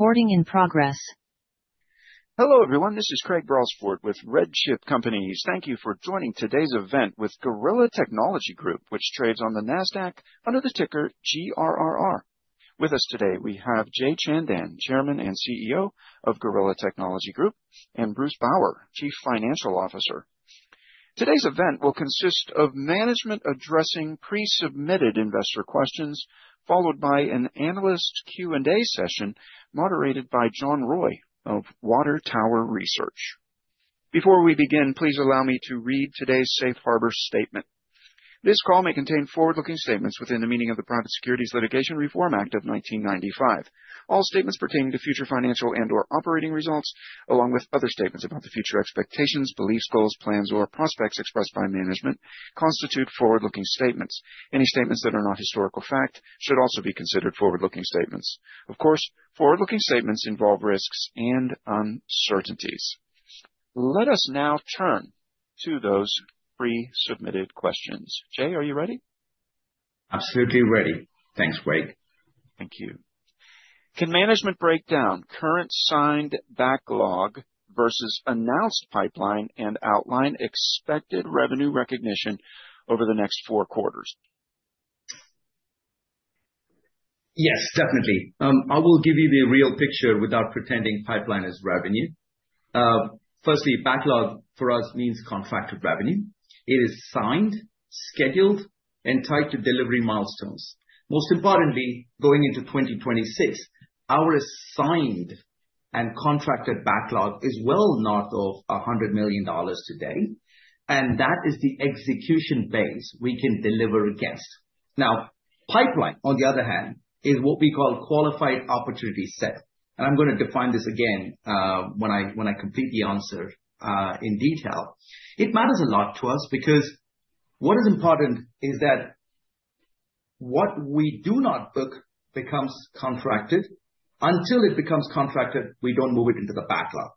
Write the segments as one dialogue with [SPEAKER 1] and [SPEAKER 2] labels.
[SPEAKER 1] Recording in progress.
[SPEAKER 2] Hello, everyone. This is Craig Bradford with RedChip Companies. Thank you for joining today's event with Gorilla Technology Group, which trades on the Nasdaq under the ticker GRRR. With us today, we have Jay Chandan, Chairman and CEO of Gorilla Technology Group, and Bruce Bower, Chief Financial Officer. Today's event will consist of management addressing pre-submitted investor questions, followed by an analyst Q&A session moderated by John Roy of Water Tower Research. Before we begin, please allow me to read today's safe harbor statement. This call may contain forward-looking statements within the meaning of the Private Securities Litigation Reform Act of 1995. All statements pertaining to future financial and/or operating results, along with other statements about the future expectations, beliefs, goals, plans, or prospects expressed by management, constitute forward-looking statements. Any statements that are not historical fact should also be considered forward-looking statements. Of course, forward-looking statements involve risks and uncertainties. Let us now turn to those pre-submitted questions. Jay, are you ready?
[SPEAKER 3] Absolutely ready. Thanks, Craig.
[SPEAKER 2] Thank you. Can management break down current signed backlog versus announced pipeline and outline expected revenue recognition over the next four quarters?
[SPEAKER 3] Yes, definitely. I will give you the real picture without pretending pipeline is revenue. Firstly, backlog for us means contracted revenue. It is signed, scheduled, and tied to delivery milestones. Most importantly, going into 2026, our assigned and contracted backlog is well north of $100 million today, and that is the execution base we can deliver against. Now, pipeline, on the other hand, is what we call qualified opportunity set, and I'm gonna define this again, when I complete the answer, in detail. It matters a lot to us, because what is important is that what we do not book becomes contracted. Until it becomes contracted, we don't move it into the backlog.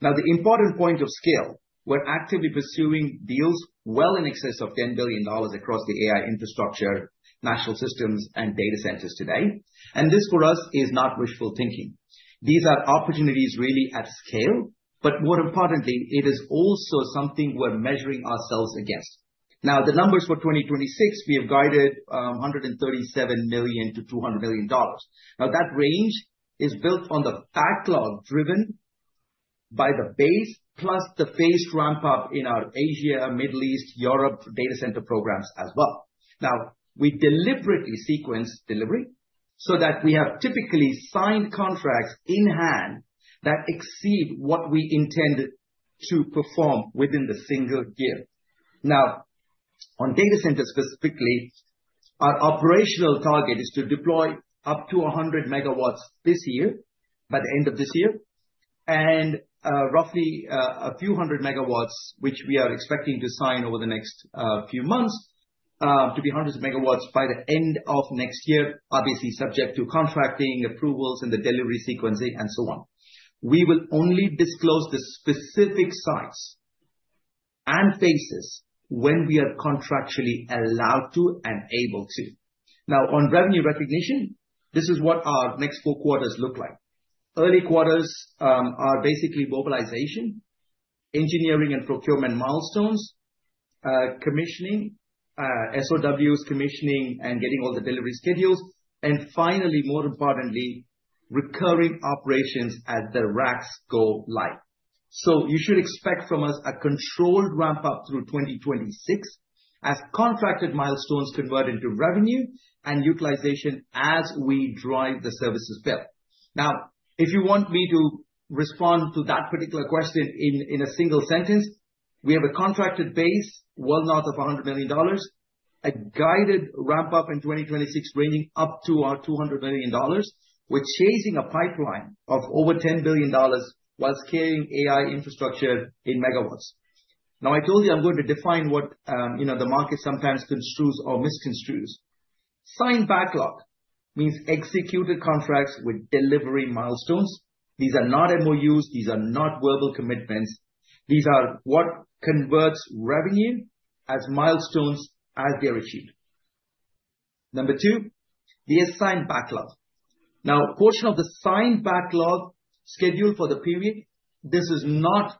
[SPEAKER 3] Now, the important point of scale, we're actively pursuing deals well in excess of $10 billion across the AI infrastructure, national systems, and data centers today, and this, for us, is not wishful thinking. These are opportunities really at scale, but more importantly, it is also something we're measuring ourselves against. Now, the numbers for 2026, we have guided $137 million-$200 million. Now, that range is built on the backlog, driven by the base plus the phase ramp up in our Asia, Middle East, Europe data center programs as well. Now, we deliberately sequence delivery so that we have typically signed contracts in hand that exceed what we intended to perform within the single year. Now, on data centers specifically, our operational target is to deploy up to 100 MW this year, by the end of this year, and roughly a few hundred MW, which we are expecting to sign over the next few months to be 100 MW by the end of next year, obviously subject to contracting, approvals, and the delivery sequencing, and so on. We will only disclose the specific sites and phases when we are contractually allowed to and able to. Now, on revenue recognition, this is what our next four quarters look like. Early quarters are basically mobilization, engineering and procurement milestones, commissioning, SOWs commissioning, and getting all the delivery schedules, and finally, more importantly, recurring operations as the racks go live. So you should expect from us a controlled ramp-up through 2026 as contracted milestones convert into revenue and utilization as we drive the services bill. Now, if you want me to respond to that particular question in a single sentence, we have a contracted base, well north of $100 million, a guided ramp-up in 2026, ranging up to $200 million. We're chasing a pipeline of over $10 billion while scaling AI infrastructure in MW. Now, I told you I'm going to define what, you know, the market sometimes construes or misconstrues. Signed backlog means executed contracts with delivery milestones. These are not MOUs, these are not verbal commitments. These are what converts revenue as milestones as they're achieved. Number two, the assigned backlog. Now, a portion of the signed backlog scheduled for the period, this is not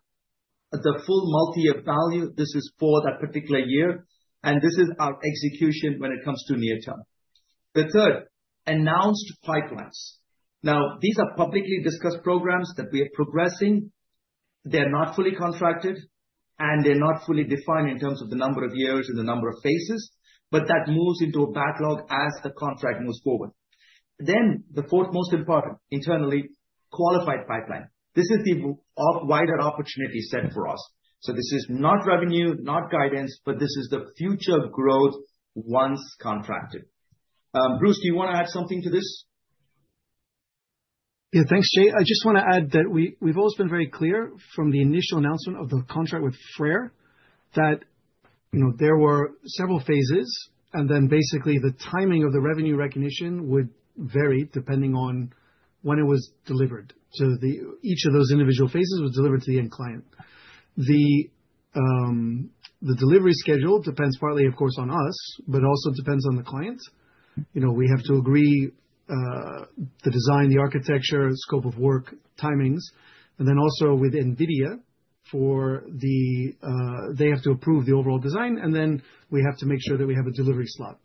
[SPEAKER 3] the full multi-year value. This is for that particular year, and this is our execution when it comes to near term. The third, announced pipelines. Now, these are publicly discussed programs that we are progressing. They're not fully contracted, and they're not fully defined in terms of the number of years and the number of phases, but that moves into a backlog as the contract moves forward. Then the fourth most important, internally qualified pipeline. This is the our wider opportunity set for us. So this is not revenue, not guidance, but this is the future growth once contracted. Bruce, do you wanna add something to this?
[SPEAKER 4] Yeah. Thanks, Jay. I just wanna add that we, we've always been very clear from the initial announcement of the contract with Freyr, that, you know, there were several phases, and then basically the timing of the revenue recognition would vary depending on when it was delivered. So each of those individual phases was delivered to the end client. The delivery schedule depends partly, of course, on us, but also depends on the client. You know, we have to agree the design, the architecture, scope of work, timings, and then also with NVIDIA for the. They have to approve the overall design, and then we have to make sure that we have a delivery slot.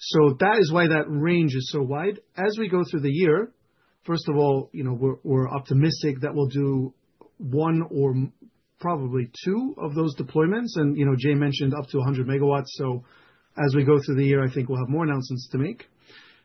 [SPEAKER 4] So that is why that range is so wide. As we go through the year, first of all, you know, we're, we're optimistic that we'll do one or probably two of those deployments, and, you know, Jay mentioned up to 100 MW. So as we go through the year, I think we'll have more announcements to make.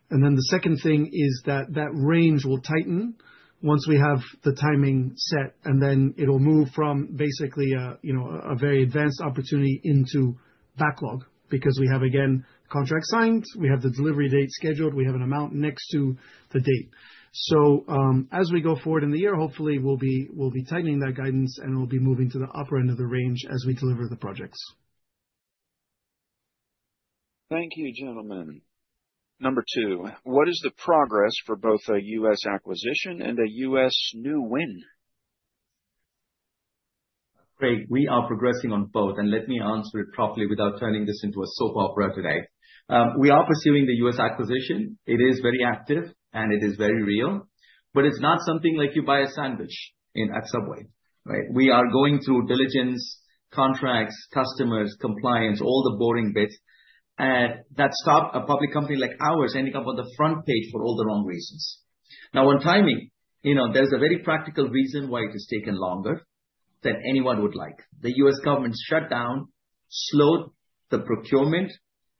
[SPEAKER 4] And then the second thing is that that range will tighten once we have the timing set, and then it'll move from basically a, you know, a very advanced opportunity into backlog, because we have, again, contract signed, we have the delivery date scheduled, we have an amount next to the date. So, as we go forward in the year, hopefully we'll be, we'll be tightening that guidance, and we'll be moving to the upper end of the range as we deliver the projects.
[SPEAKER 2] Thank you, gentlemen. Number two, what is the progress for both a U.S. acquisition and a U.S. new win?
[SPEAKER 3] Great. We are progressing on both, and let me answer it properly without turning this into a soap opera today. We are pursuing the U.S. acquisition. It is very active, and it is very real, but it's not something like you buy a sandwich in, at Subway, right? We are going through diligence, contracts, customers, compliance, all the boring bits that stop a public company like ours ending up on the front page for all the wrong reasons. Now, on timing, you know, there's a very practical reason why it has taken longer than anyone would like. The U.S. government shutdown slowed the procurement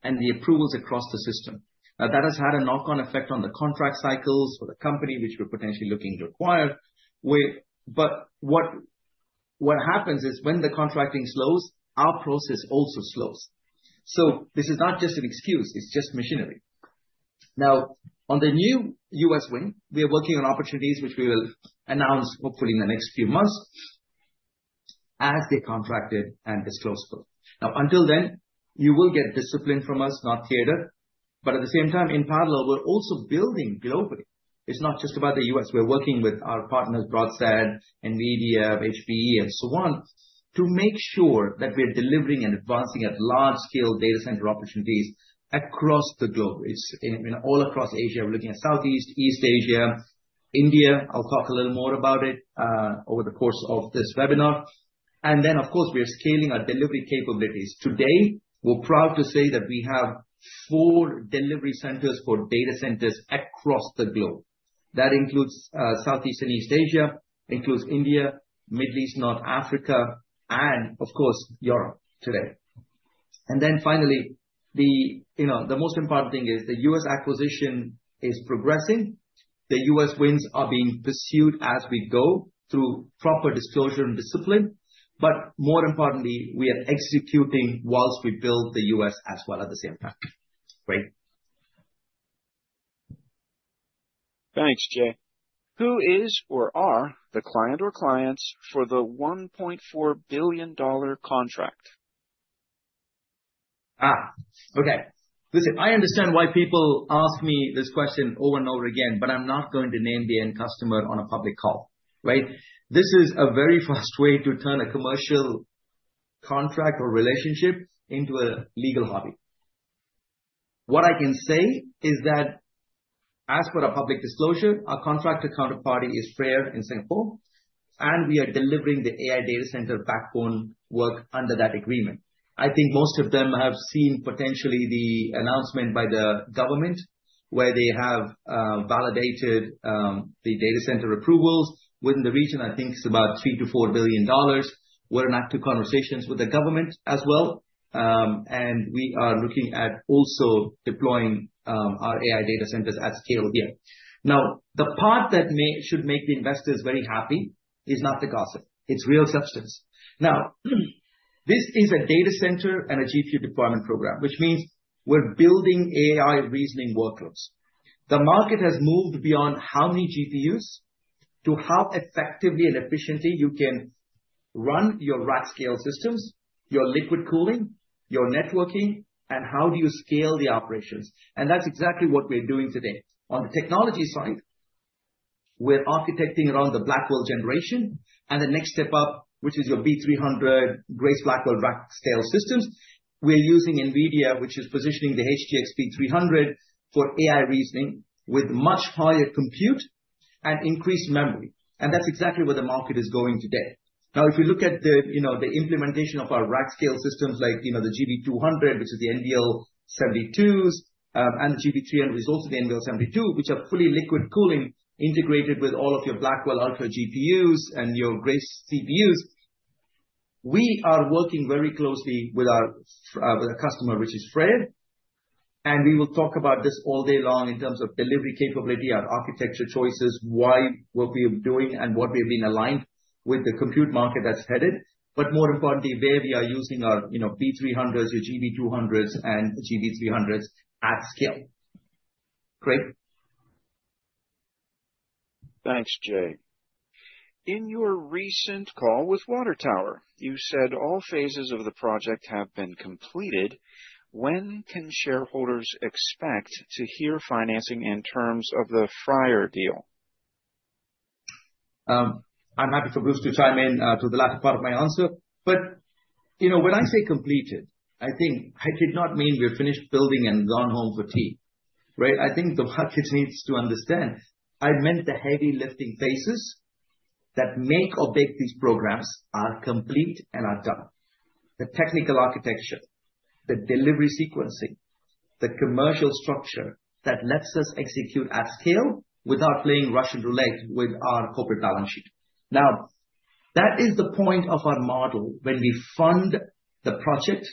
[SPEAKER 3] and the approvals across the system. Now, that has had a knock-on effect on the contract cycles for the company, which we're potentially looking to acquire. But what happens is when the contracting slows, our process also slows. This is not just an excuse, it's just machinery. Now, on the new U.S. win, we are working on opportunities which we will announce hopefully in the next few months as they're contracted and disclosable. Now, until then, you will get discipline from us, not theater, but at the same time, in parallel, we're also building globally. It's not just about the U.S. We're working with our partners, Broadcom, NVIDIA, HPE, and so on, to make sure that we're delivering and advancing at large scale data center opportunities across the globe. It's all across Asia. We're looking at Southeast, East Asia, India. I'll talk a little more about it over the course of this webinar. And then, of course, we are scaling our delivery capabilities. Today, we're proud to say that we have four delivery centers for data centers across the globe. That includes Southeast and East Asia, includes India, Middle East, North Africa, and of course, Europe today. And then finally, you know, the most important thing is the U.S. acquisition is progressing. The U.S. wins are being pursued as we go through proper disclosure and discipline, but more importantly, we are executing whilst we build the U.S. as well at the same time. Craig?
[SPEAKER 2] Thanks, Jay. Who is or are the client or clients for the $1.4 billion contract?
[SPEAKER 3] Ah, okay. Listen, I understand why people ask me this question over and over again, but I'm not going to name the end customer on a public call, right? This is a very fast way to turn a commercial contract or relationship into a legal hobby. What I can say is that as per our public disclosure, our contractor counterpart is based in Singapore, and we are delivering the AI data center backbone work under that agreement. I think most of them have seen potentially the announcement by the government, where they have validated the data center approvals within the region. I think it's about $3 billion-$4 billion. We're in active conversations with the government as well, and we are looking at also deploying our AI data centers at scale here. Now, the part that may should make the investors very happy is not the gossip, it's real substance. Now, this is a data center and a GPU deployment program, which means we're building AI reasoning workloads. The market has moved beyond how many GPUs, to how effectively and efficiently you can run your rack scale systems, your liquid cooling, your networking, and how do you scale the operations? And that's exactly what we're doing today. On the technology side, we're architecting around the Blackwell generation, and the next step up, which is your B300 Grace Blackwell rack scale systems. We're using NVIDIA, which is positioning the HGX B300 for AI reasoning with much higher compute and increased memory. And that's exactly where the market is going today. Now, if you look at the, you know, the implementation of our rack scale systems, like, you know, the GB200, which is the NVL72s, and GB300, which is also the NVL72, which are fully liquid cooling, integrated with all of your Blackwell Ultra GPUs and your Grace CPUs. We are working very closely with our customer, which is Freyr, and we will talk about this all day long in terms of delivery capability, our architecture choices, why, what we are doing, and what we've been aligned with the compute market that's headed, but more importantly, where we are using our, you know, B300s, your GB200s, and GB300s at scale. Craig?
[SPEAKER 2] Thanks, Jay. In your recent call with Water Tower, you said all phases of the project have been completed. When can shareholders expect to hear financing in terms of the prior deal?
[SPEAKER 3] I'm happy for Bruce to chime in to the latter part of my answer. But, you know, when I say completed, I think I did not mean we're finished building and gone home for tea, right? I think the market needs to understand, I meant the heavy lifting phases that make or break these programs are complete and are done. The technical architecture, the delivery sequencing, the commercial structure that lets us execute at scale without playing Russian roulette with our corporate balance sheet. Now, that is the point of our model. When we fund the project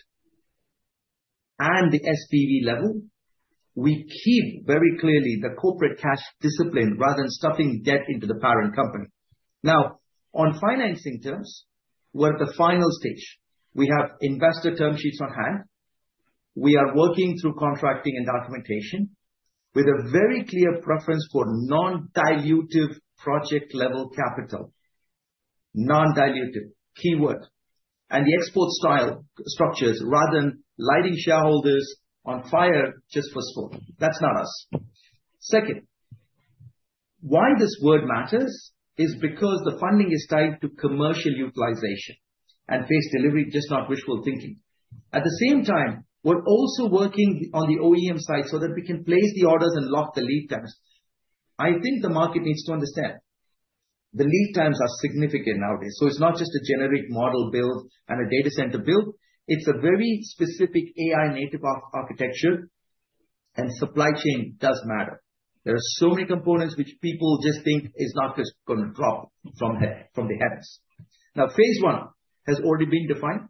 [SPEAKER 3] and the SPV level, we keep very clearly the corporate cash discipline rather than stuffing debt into the parent company. Now, on financing terms, we're at the final stage. We have investor term sheets on hand. We are working through contracting and documentation with a very clear preference for non-dilutive project level capital. Non-dilutive, keyword, and the export style structures rather than lighting shareholders on fire just for sport. That's not us. Second, why this word matters is because the funding is tied to commercial utilization and phase delivery, just not wishful thinking. At the same time, we're also working on the OEM side so that we can place the orders and lock the lead times. I think the market needs to understand the lead times are significant nowadays, so it's not just a generic model build and a data center build. It's a very specific AI native architecture, and supply chain does matter. There are so many components which people just think is not just gonna drop from from the heavens. Now, phase one has already been defined.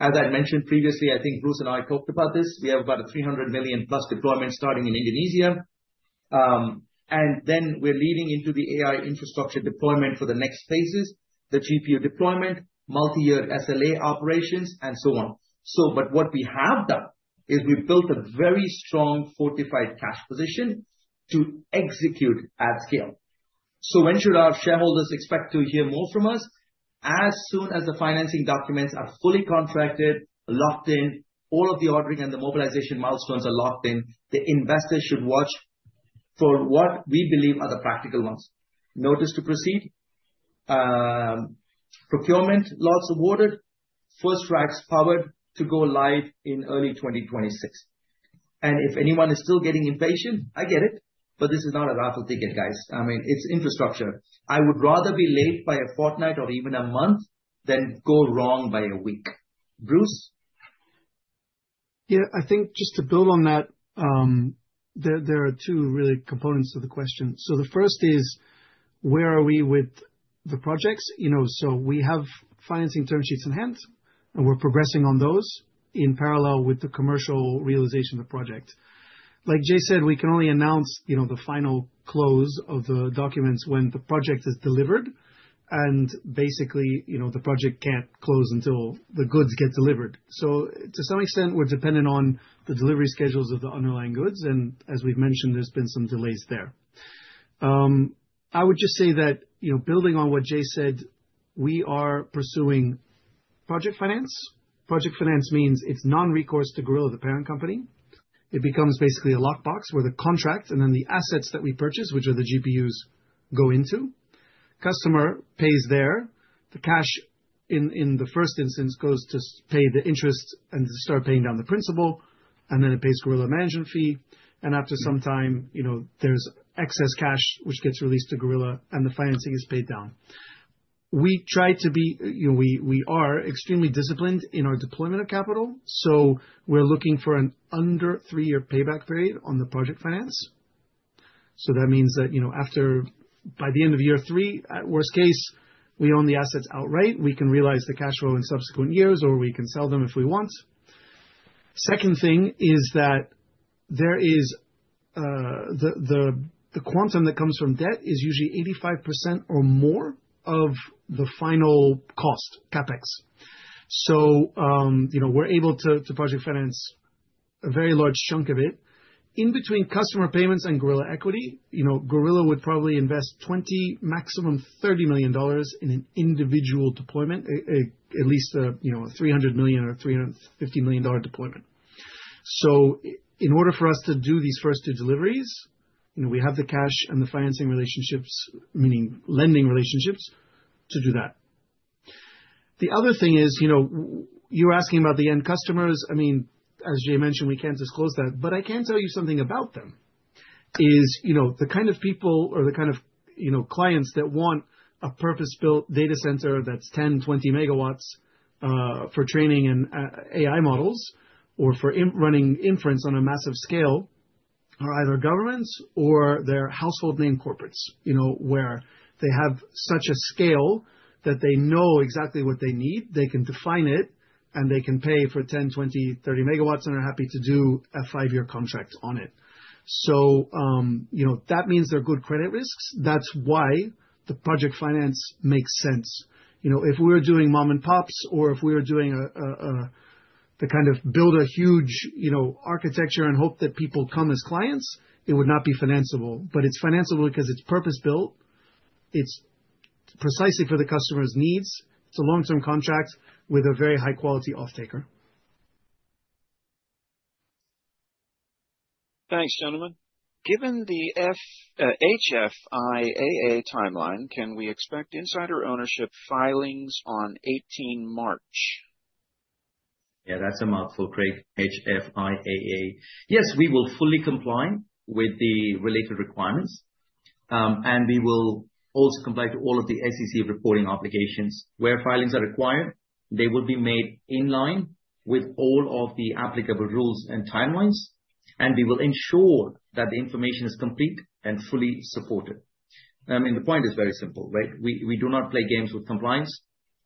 [SPEAKER 3] As I mentioned previously, I think Bruce and I talked about this, we have about a $300 million-plus deployment starting in Indonesia. And then we're leading into the AI infrastructure deployment for the next phases, the GPU deployment, multi-year SLA operations, and so on. So but what we have done, is we've built a very strong, fortified cash position to execute at scale. So when should our shareholders expect to hear more from us? As soon as the financing documents are fully contracted, locked in, all of the ordering and the mobilization milestones are locked in, the investors should watch for what we believe are the practical ones. Notice to proceed, procurement lots awarded, first racks powered to go live in early 2026. And if anyone is still getting impatient, I get it, but this is not a raffle ticket, guys. I mean, it's infrastructure. I would rather be late by a fortnight or even a month than go wrong by a week. Bruce?
[SPEAKER 4] Yeah. I think just to build on that, there are two really components to the question. So the first is: where are we with the projects? You know, so we have financing term sheets in hand, and we're progressing on those in parallel with the commercial realization of the project. Like Jay said, we can only announce, you know, the final close of the documents when the project is delivered, and basically, you know, the project can't close until the goods get delivered. So to some extent, we're dependent on the delivery schedules of the underlying goods, and as we've mentioned, there's been some delays there. I would just say that, you know, building on what Jay said, we are pursuing project finance. Project finance means it's non-recourse to Gorilla, the parent company. It becomes basically a lockbox where the contract and then the assets that we purchase, which are the GPUs, go into. Customer pays there. The cash, in the first instance, goes to pay the interest and to start paying down the principal, and then it pays Gorilla management fee, and after some time, you know, there's excess cash, which gets released to Gorilla, and the financing is paid down. We try to be, you know, we are extremely disciplined in our deployment of capital, so we're looking for an under three-year payback period on the project finance. So that means that, you know, after by the end of year three, at worst case, we own the assets outright. We can realize the cash flow in subsequent years, or we can sell them if we want. Second thing is that there is the quantum that comes from debt is usually 85% or more of the final cost, CapEx. So, you know, we're able to project finance a very large chunk of it. In between customer payments and Gorilla equity, you know, Gorilla would probably invest $20 million, maximum $30 million in an individual deployment, at least a, you know, $300 million or $350 million deployment. So in order for us to do these first two deliveries, you know, we have the cash and the financing relationships, meaning lending relationships, to do that. The other thing is, you know, you're asking about the end customers. I mean, as Jay mentioned, we can't disclose that, but I can tell you something about them, is you know, the kind of people or the kind of, you know, clients that want a purpose-built data center that's 10, 20 MW, for training and AI models or for running inference on a massive scale, are either governments or they're household name corporates, you know, where they have such a scale that they know exactly what they need, they can define it, and they can pay for 10, 20, 30 MW and are happy to do a five-year contract on it. So, you know, that means they're good credit risks. That's why the project finance makes sense. You know, if we were doing mom and pops or if we were doing the kind of build a huge, you know, architecture and hope that people come as clients, it would not be financeable. But it's financeable because it's purpose-built, it's precisely for the customer's needs. It's a long-term contract with a very high quality off-taker.
[SPEAKER 2] Thanks, gentlemen. Given the HFIAA timeline, can we expect insider ownership filings on 18 March?
[SPEAKER 3] Yeah, that's a mouthful, Craig. HFIAA. Yes, we will fully comply with the related requirements, and we will also comply to all of the SEC reporting obligations. Where filings are required, they will be made in line with all of the applicable rules and timelines, and we will ensure that the information is complete and fully supported. I mean, the point is very simple, right? We, we do not play games with compliance.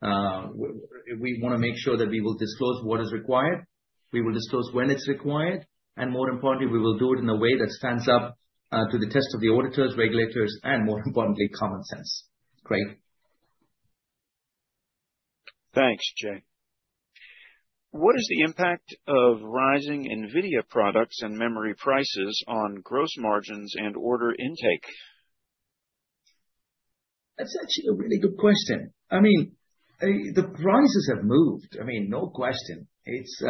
[SPEAKER 3] We wanna make sure that we will disclose what is required, we will disclose when it's required, and more importantly, we will do it in a way that stands up to the test of the auditors, regulators, and more importantly, common sense. Craig?
[SPEAKER 2] Thanks, Jay. What is the impact of rising NVIDIA products and memory prices on gross margins and order intake?
[SPEAKER 3] That's actually a really good question. I mean, the prices have moved, I mean, no question. It's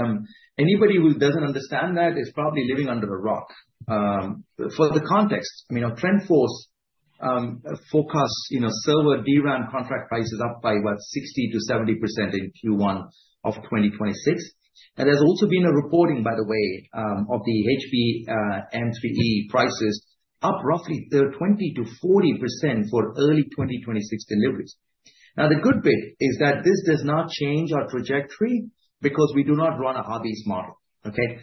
[SPEAKER 3] anybody who doesn't understand that is probably living under a rock. For the context, I mean, our TrendForce forecasts, you know, server DRAM contract prices up by, what, 60%-70% in Q1 of 2026. And there's also been a reporting, by the way, of the HBM3e prices, up roughly 20%-40% for early 2026 deliveries. Now, the good bit is that this does not change our trajectory, because we do not run a hobbies model, okay?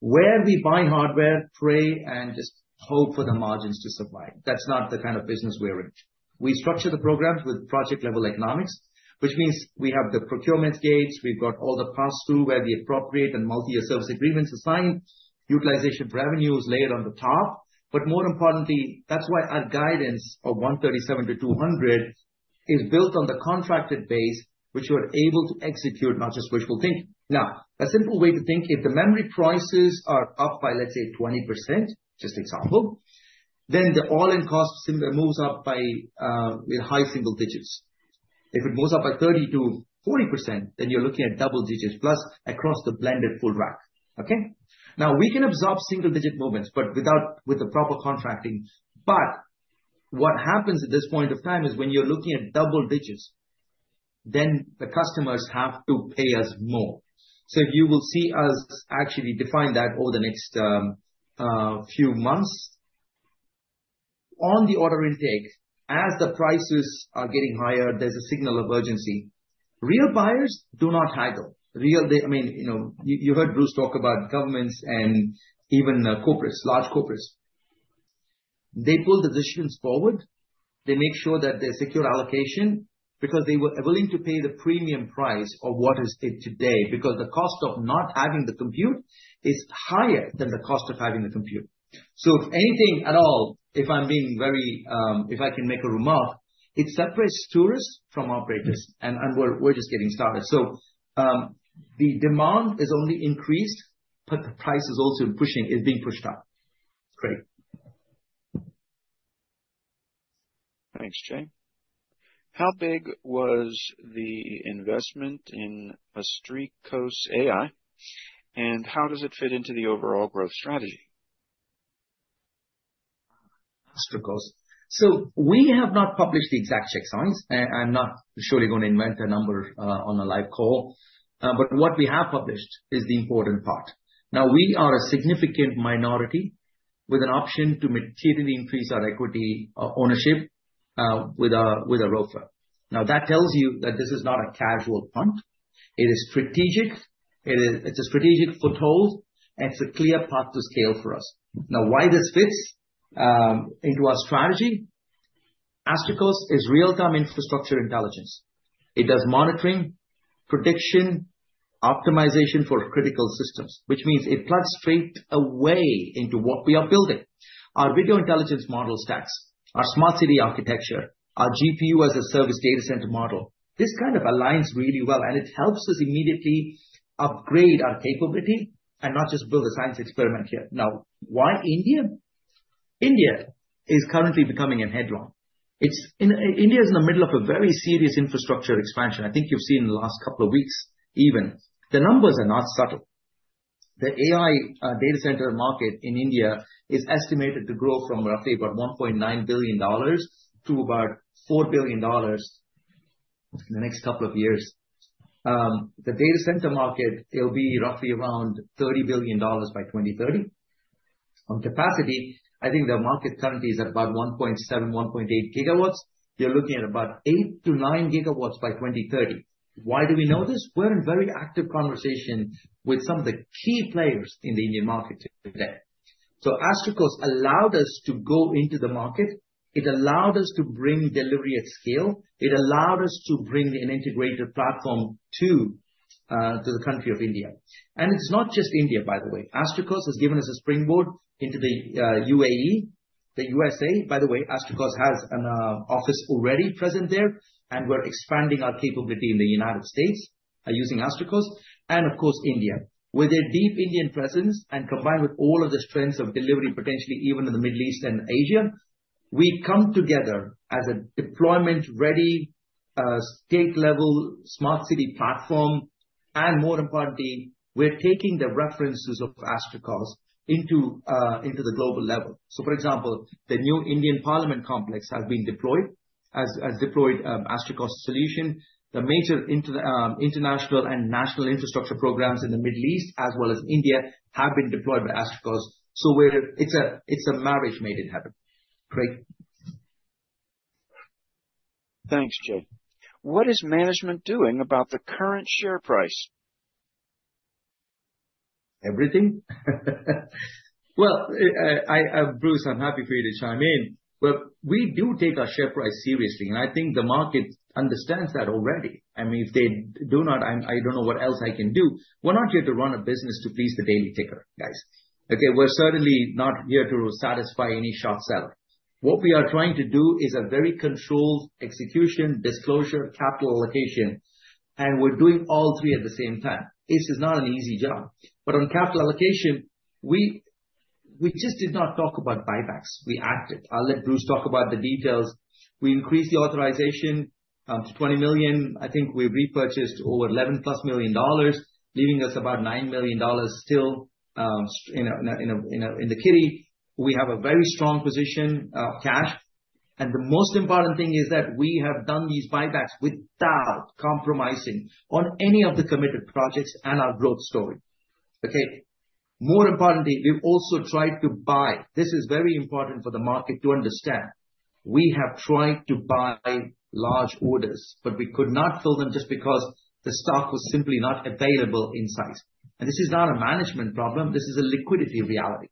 [SPEAKER 3] Where we buy hardware, pray, and just hope for the margins to survive. That's not the kind of business we're in. We structure the programs with project-level economics, which means we have the procurement gates, we've got all the pass-through where the appropriate and multi-year service agreements are signed, utilization for revenue is layered on the top. But more importantly, that's why our guidance of $137-$200 is built on the contracted base, which we're able to execute, not just wishful thinking. Now, a simple way to think, if the memory prices are up by, let's say, 20%, just example, then the all-in cost similar moves up by with high single digits. If it moves up by 30%-40%, then you're looking at double digits plus across the blended full rack, okay? Now, we can absorb single-digit movements, but with the proper contracting. But what happens at this point of time is when you're looking at double digits, then the customers have to pay us more. So you will see us actually define that over the next few months. On the order intake, as the prices are getting higher, there's a signal of urgency. Real buyers do not haggle. They, I mean, you know, you heard Bruce talk about governments and even corporates, large corporates. They pull decisions forward. They make sure that they secure allocation, because they were willing to pay the premium price of what is it today, because the cost of not having the compute is higher than the cost of having the compute. So if anything at all, if I'm being very... If I can make a remark, it separates tourists from operators, and we're just getting started. The demand is only increased, but the price is also pushing, is being pushed up. Craig?
[SPEAKER 2] Thanks, Jay. How big was the investment in Astrocast AI, and how does it fit into the overall growth strategy?
[SPEAKER 3] Astrocast. So we have not published the exact check size, and not surely gonna invent a number on a live call, but what we have published is the important part. Now, we are a significant minority with an option to materially increase our equity ownership with a ROFA. Now, that tells you that this is not a casual punt. It is strategic. It's a strategic foothold, and it's a clear path to scale for us. Now, why this fits into our strategy, Astrocast is real-time infrastructure intelligence. It does monitoring, prediction, optimization for critical systems, which means it plugs straight away into what we are building. Our video intelligence model stacks, our smart city architecture, our GPU as a service data center model. This kind of aligns really well, and it helps us immediately upgrade our capability and not just build a science experiment here. Now, why India? India is currently becoming a hotbed. India is in the middle of a very serious infrastructure expansion. I think you've seen in the last couple of weeks, even. The numbers are not subtle. The AI data center market in India is estimated to grow from roughly about $1.9 billion to about $4 billion in the next couple of years. The data center market, it'll be roughly around $30 billion by 2030. On capacity, I think the market currently is at about 1.7-1.8 GW. You're looking at about 8-9 GW by 2030. Why do we know this? We're in very active conversation with some of the key players in the Indian market today. So Astrocast allowed us to go into the market. It allowed us to bring delivery at scale. It allowed us to bring an integrated platform to the country of India. And it's not just India, by the way. Astrocast has given us a springboard into the U.A.E., the U.S.A. By the way, Astrocast has an office already present there, and we're expanding our capability in the United States using Astrocast, and of course, India. With a deep Indian presence, and combined with all of the strengths of delivery, potentially even in the Middle East and Asia, we come together as a deployment-ready state level smart city platform, and more importantly, we're taking the references of Astrocast into the global level. So, for example, the new Indian Parliament complex has deployed Astrocast's solution. The major international and national infrastructure programs in the Middle East, as well as India, have been deployed by Astrocast. So it's a marriage made in heaven. Great.
[SPEAKER 2] Thanks, Jay. What is management doing about the current share price?
[SPEAKER 3] Everything? Well, Bruce, I'm happy for you to chime in. But we do take our share price seriously, and I think the market understands that already. I mean, if they do not, I don't know what else I can do. We're not here to run a business to please the daily ticker, guys. Okay, we're certainly not here to satisfy any short seller. What we are trying to do is a very controlled execution, disclosure, capital allocation, and we're doing all three at the same time. This is not an easy job. But on capital allocation, we just did not talk about buybacks, we acted. I'll let Bruce talk about the details. We increased the authorization to $20 million. I think we repurchased over $11 million, leaving us about $9 million still in the kitty. We have a very strong position of cash, and the most important thing is that we have done these buybacks without compromising on any of the committed projects and our growth story. Okay? More importantly, we've also tried to buy. This is very important for the market to understand. We have tried to buy large orders, but we could not fill them just because the stock was simply not available in size. And this is not a management problem, this is a liquidity reality.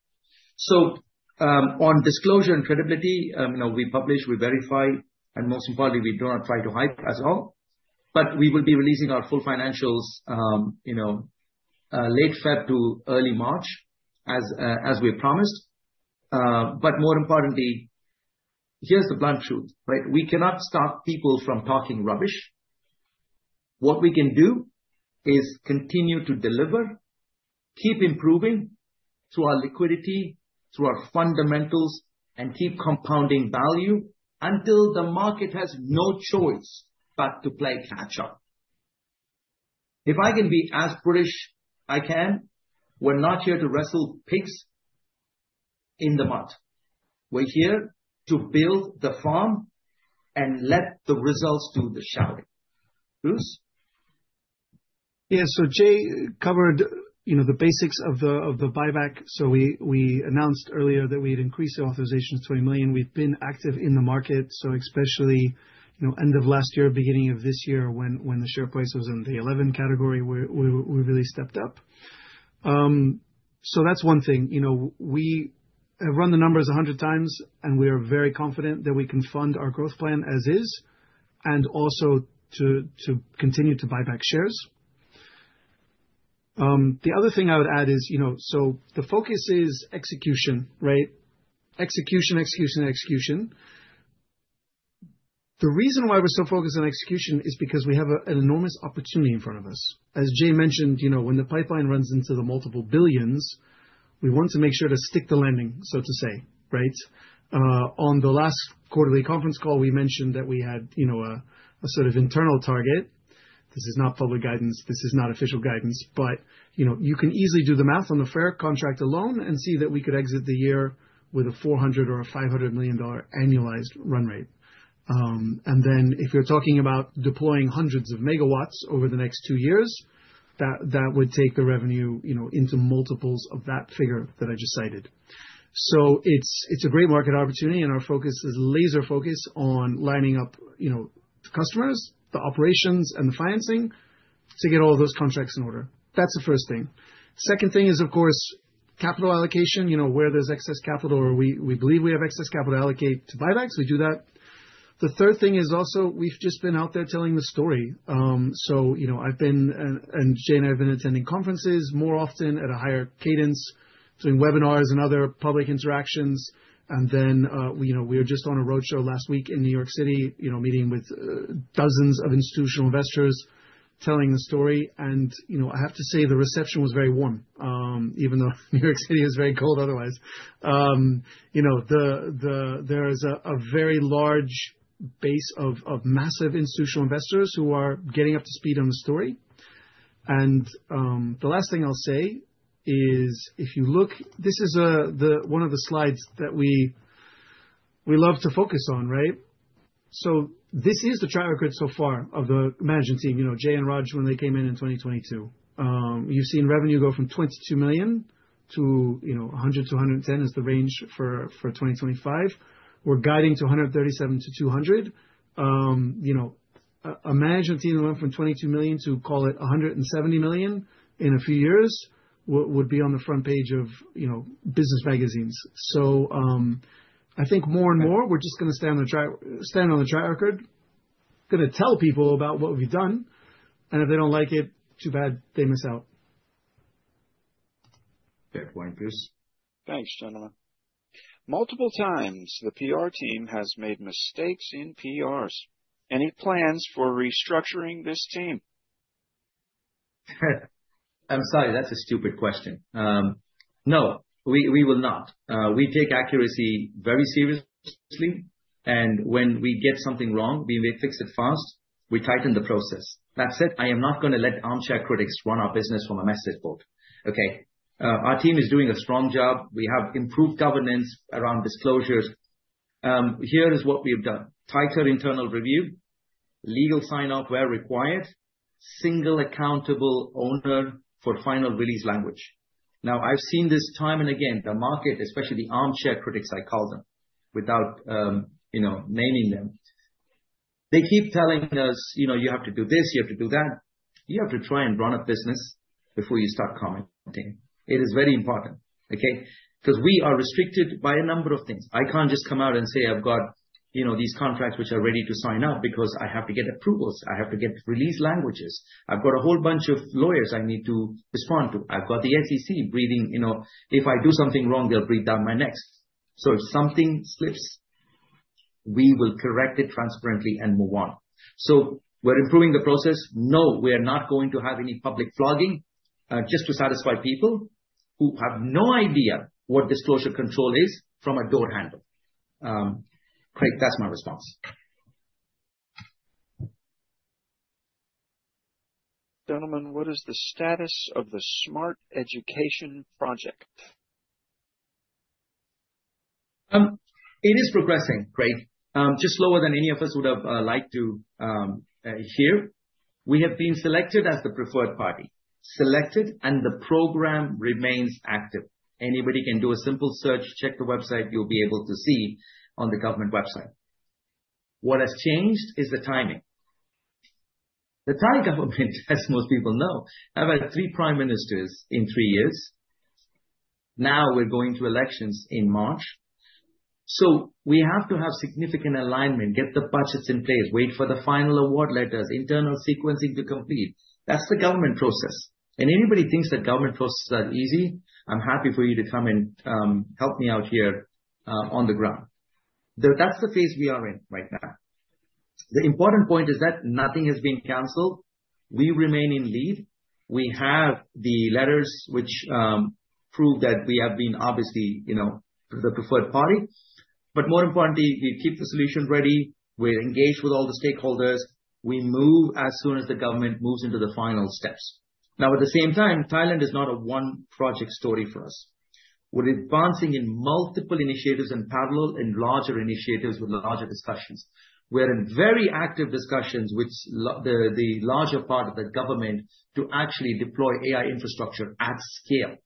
[SPEAKER 3] So, on disclosure and credibility, you know, we publish, we verify, and most importantly, we do not try to hide as well. But we will be releasing our full financials, you know, late February to early March, as we promised. But more importantly, here's the blunt truth, right? We cannot stop people from talking rubbish. What we can do is continue to deliver, keep improving through our liquidity, through our fundamentals, and keep compounding value until the market has no choice but to play catch up. If I can be as British, I can, we're not here to wrestle pigs in the mud. We're here to build the farm and let the results do the shouting. Bruce?
[SPEAKER 4] Yeah. So Jay covered, you know, the basics of the buyback. So we announced earlier that we'd increased the authorization to $20 million. We've been active in the market, so especially, you know, end of last year, beginning of this year, when the share price was in the $11 category, we really stepped up. So that's one thing. You know, we run the numbers 100 times, and we are very confident that we can fund our growth plan as is, and also to continue to buy back shares. The other thing I would add is, you know, so the focus is execution, right? Execution, execution, execution. The reason why we're so focused on execution is because we have an enormous opportunity in front of us. As Jay mentioned, you know, when the pipeline runs into the multiple billions, we want to make sure to stick the landing, so to say, right? On the last quarterly conference call, we mentioned that we had, you know, a sort of internal target. This is not public guidance. This is not official guidance, but you can easily do the math on the fair contract alone and see that we could exit the year with a $400 million or $500 million annualized run rate. And then if you're talking about deploying hundreds of MW over the next two years, that would take the revenue, you know, into multiples of that figure that I just cited. So it's a great market opportunity, and our focus is laser focused on lining up, you know, the customers, the operations, and the financing to get all those contracts in order. That's the first thing. Second thing is, of course, capital allocation. You know, where there's excess capital or we believe we have excess capital to allocate to buybacks, we do that. The third thing is also we've just been out there telling the story. So, you know, I've been and Jay and I have been attending conferences more often at a higher cadence, doing webinars and other public interactions. And then, we, you know, we were just on a roadshow last week in New York City, you know, meeting with, dozens of institutional investors, telling the story, and, you know, I have to say the reception was very warm, even though New York City is very cold otherwise. You know, there is a very large base of massive institutional investors who are getting up to speed on the story. The last thing I'll say is, if you look, this is the one of the slides that we love to focus on, right? So this is the track record so far of the management team. You know, Jay and Raj, when they came in in 2022. You've seen revenue go from $22 million to, you know, $100 million-$110 million is the range for 2025. We're guiding to $137 million-$200 million. You know, a management team went from $22 million to, call it, $170 million in a few years, would be on the front page of, you know, business magazines. So, I think more and more, we're just gonna stand on the track, stand on the track record, gonna tell people about what we've done, and if they don't like it, too bad, they miss out.
[SPEAKER 3] Fair point, Bruce.
[SPEAKER 2] Thanks, gentlemen. Multiple times, the PR team has made mistakes in PRs. Any plans for restructuring this team?
[SPEAKER 3] I'm sorry, that's a stupid question. No, we will not. We take accuracy very seriously, and when we get something wrong, we will fix it fast. We tighten the process. That's it. I am not gonna let armchair critics run our business from a message board, okay? Our team is doing a strong job. We have improved governance around disclosures. Here is what we have done: tighter internal review, legal sign-off where required, single accountable owner for final release language. Now, I've seen this time and again, the market, especially the armchair critics, I call them, without you know, naming them. They keep telling us, "You know, you have to do this, you have to do that." You have to try and run a business before you start commenting. It is very important, okay? Because we are restricted by a number of things. I can't just come out and say, "I've got, you know, these contracts which are ready to sign up," because I have to get approvals, I have to get release languages. I've got a whole bunch of lawyers I need to respond to. I've got the SEC breathing. You know, if I do something wrong, they'll breathe down my neck. So if something slips, we will correct it transparently and move on. So we're improving the process. No, we are not going to have any public flogging just to satisfy people who have no idea what disclosure control is from a door handle. Craig, that's my response.
[SPEAKER 2] Gentlemen, what is the status of the Smart Education project?
[SPEAKER 3] It is progressing, Craig, just slower than any of us would have liked to hear. We have been selected as the preferred party. Selected, and the program remains active. Anybody can do a simple search, check the website, you'll be able to see on the government website. What has changed is the timing. The Thai government, as most people know, have had three prime ministers in three years. Now, we're going to elections in March. So we have to have significant alignment, get the budgets in place, wait for the final award letters, internal sequencing to complete. That's the government process, and anybody thinks that government processes are easy, I'm happy for you to come and help me out here on the ground. That's the phase we are in right now. The important point is that nothing has been canceled. We remain in the lead. We have the letters which prove that we have been obviously, you know, the preferred party, but more importantly, we keep the solution ready, we're engaged with all the stakeholders, we move as soon as the government moves into the final steps. Now, at the same time, Thailand is not a one project story for us. We're advancing in multiple initiatives in parallel, in larger initiatives with larger discussions. We're in very active discussions with the larger part of the government to actually deploy AI infrastructure at scale.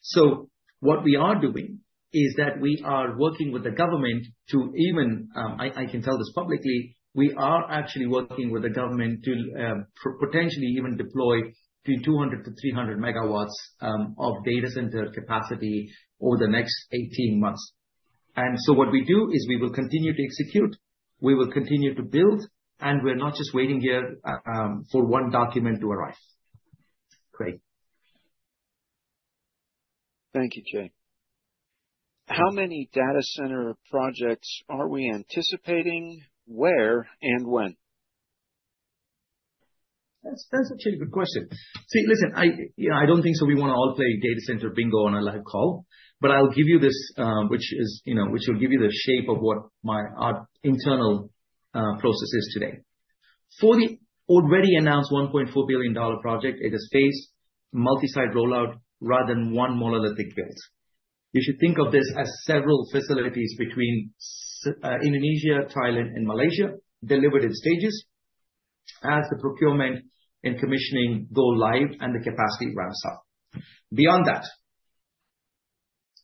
[SPEAKER 3] So what we are doing is that we are working with the government to even I can tell this publicly, we are actually working with the government to potentially even deploy 200 MW-300 MW of data center capacity over the next 18 months. And so what we do is we will continue to execute, we will continue to build, and we're not just waiting here for one document to arrive. Craig?
[SPEAKER 2] Thank you, Jay. How many data center projects are we anticipating, where, and when?
[SPEAKER 3] That's actually a good question. See, listen, you know, I don't think so. We wanna all play data center bingo on our live call, but I'll give you this, which is, you know, which will give you the shape of what our internal process is today. For the already announced $1.4 billion project, it is phased, multi-site rollout rather than one monolithic build. You should think of this as several facilities between Indonesia, Thailand, and Malaysia, delivered in stages as the procurement and commissioning go live and the capacity ramps up. Beyond that,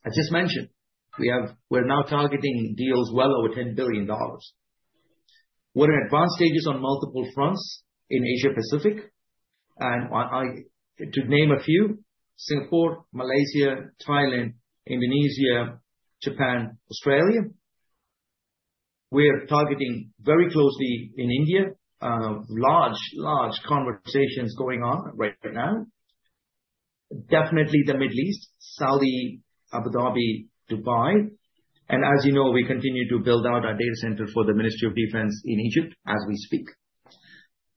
[SPEAKER 3] I just mentioned, we're now targeting deals well over $10 billion. We're in advanced stages on multiple fronts in Asia Pacific, and to name a few, Singapore, Malaysia, Thailand, Indonesia, Japan, Australia. We are targeting very closely in India, large, large conversations going on right now. Definitely the Middle East, Saudi, Abu Dhabi, Dubai, and as you know, we continue to build out our data center for the Ministry of Defense in Egypt as we speak.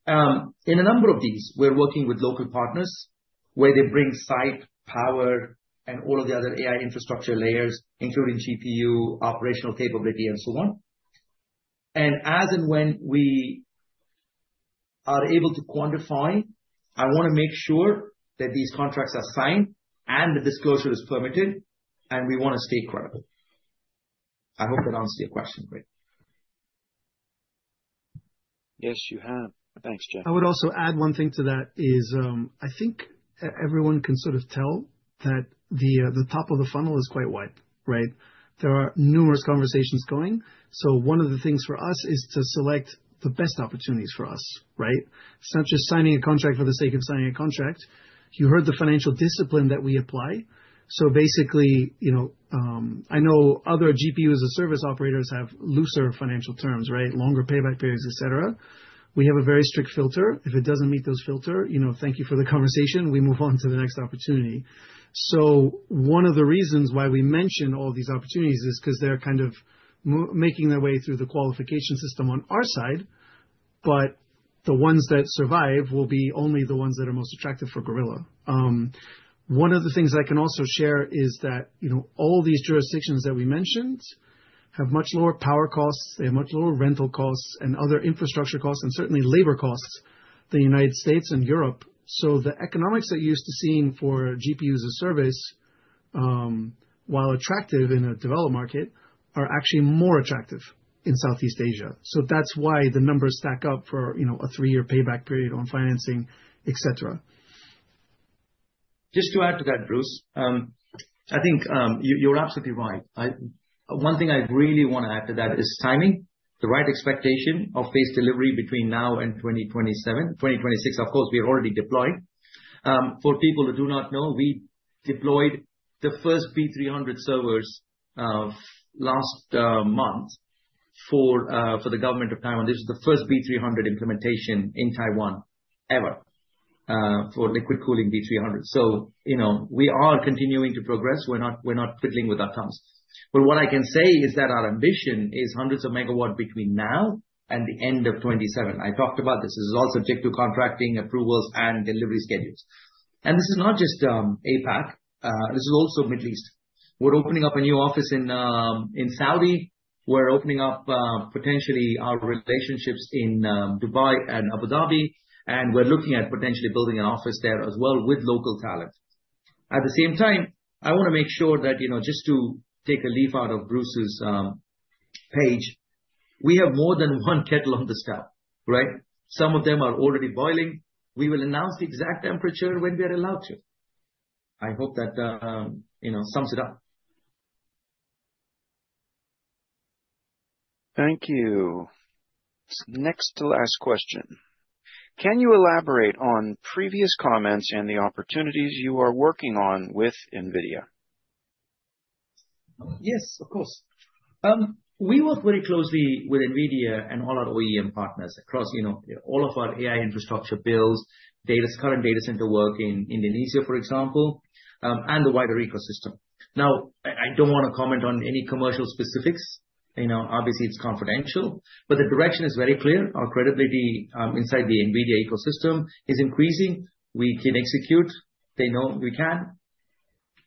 [SPEAKER 3] In a number of these, we're working with local partners, where they bring site, power, and all of the other AI infrastructure layers, including GPU, operational capability, and so on. And as and when we are able to quantify, I wanna make sure that these contracts are signed and the disclosure is permitted, and we wanna stay credible. I hope that answers your question, Craig.
[SPEAKER 2] Yes, you have. Thanks, Jay.
[SPEAKER 4] I would also add one thing to that, is, I think everyone can sort of tell that the top of the funnel is quite wide, right? There are numerous conversations going, so one of the things for us is to select the best opportunities for us, right? It's not just signing a contract for the sake of signing a contract. You heard the financial discipline that we apply. So basically, you know, I know other GPU-as-a-service operators have looser financial terms, right? Longer payback periods, et cetera. We have a very strict filter. If it doesn't meet those filter, you know, thank you for the conversation, we move on to the next opportunity. So one of the reasons why we mention all these opportunities is because they're kind of making their way through the qualification system on our side. But the ones that survive will be only the ones that are most attractive for Gorilla. One of the things I can also share is that, you know, all these jurisdictions that we mentioned have much lower power costs, they have much lower rental costs and other infrastructure costs, and certainly labor costs than United States and Europe. So the economics that you're used to seeing for GPU as a service, while attractive in a developed market, are actually more attractive in Southeast Asia. So that's why the numbers stack up for, you know, a three-year payback period on financing, et cetera.
[SPEAKER 3] Just to add to that, Bruce, I think you, you're absolutely right. One thing I really wanna add to that is timing. The right expectation of phase delivery between now and 2027. 2026, of course, we are already deploying. For people who do not know, we deployed the first B300 servers last month for the government of Taiwan. This is the first B300 implementation in Taiwan ever, for liquid cooling B300. So, you know, we are continuing to progress. We're not, we're not fiddling with our thumbs. But what I can say is that our ambition is hundreds of MW between now and the end of 2027. I talked about this. This is all subject to contracting, approvals, and delivery schedules. And this is not just APAC, this is also Middle East. We're opening up a new office in Saudi. We're opening up potentially our relationships in Dubai and Abu Dhabi, and we're looking at potentially building an office there as well with local talent. At the same time, I wanna make sure that, you know, just to take a leaf out of Bruce's page, we have more than one kettle on the stove, right? Some of them are already boiling. We will announce the exact temperature when we are allowed to. I hope that, you know, sums it up.
[SPEAKER 2] Thank you. Next to last question: Can you elaborate on previous comments and the opportunities you are working on with NVIDIA?
[SPEAKER 3] Yes, of course. We work very closely with NVIDIA and all our OEM partners across, you know, all of our AI infrastructure builds, data, current data center work in Indonesia, for example, and the wider ecosystem. Now, I don't wanna comment on any commercial specifics, you know, obviously it's confidential, but the direction is very clear. Our credibility inside the NVIDIA ecosystem is increasing. We can execute. They know we can.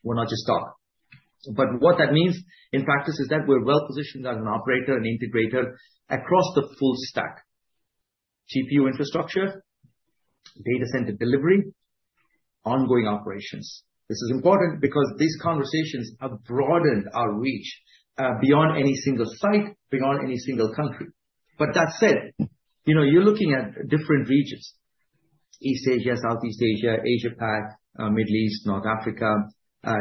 [SPEAKER 3] We're not just talk. But what that means in practice is that we're well positioned as an operator and integrator across the full stack, GPU infrastructure, data center delivery, ongoing operations. This is important because these conversations have broadened our reach beyond any single site, beyond any single country. But that said, you know, you're looking at different regions, East Asia, Southeast Asia, Asia Pac, Middle East, North Africa,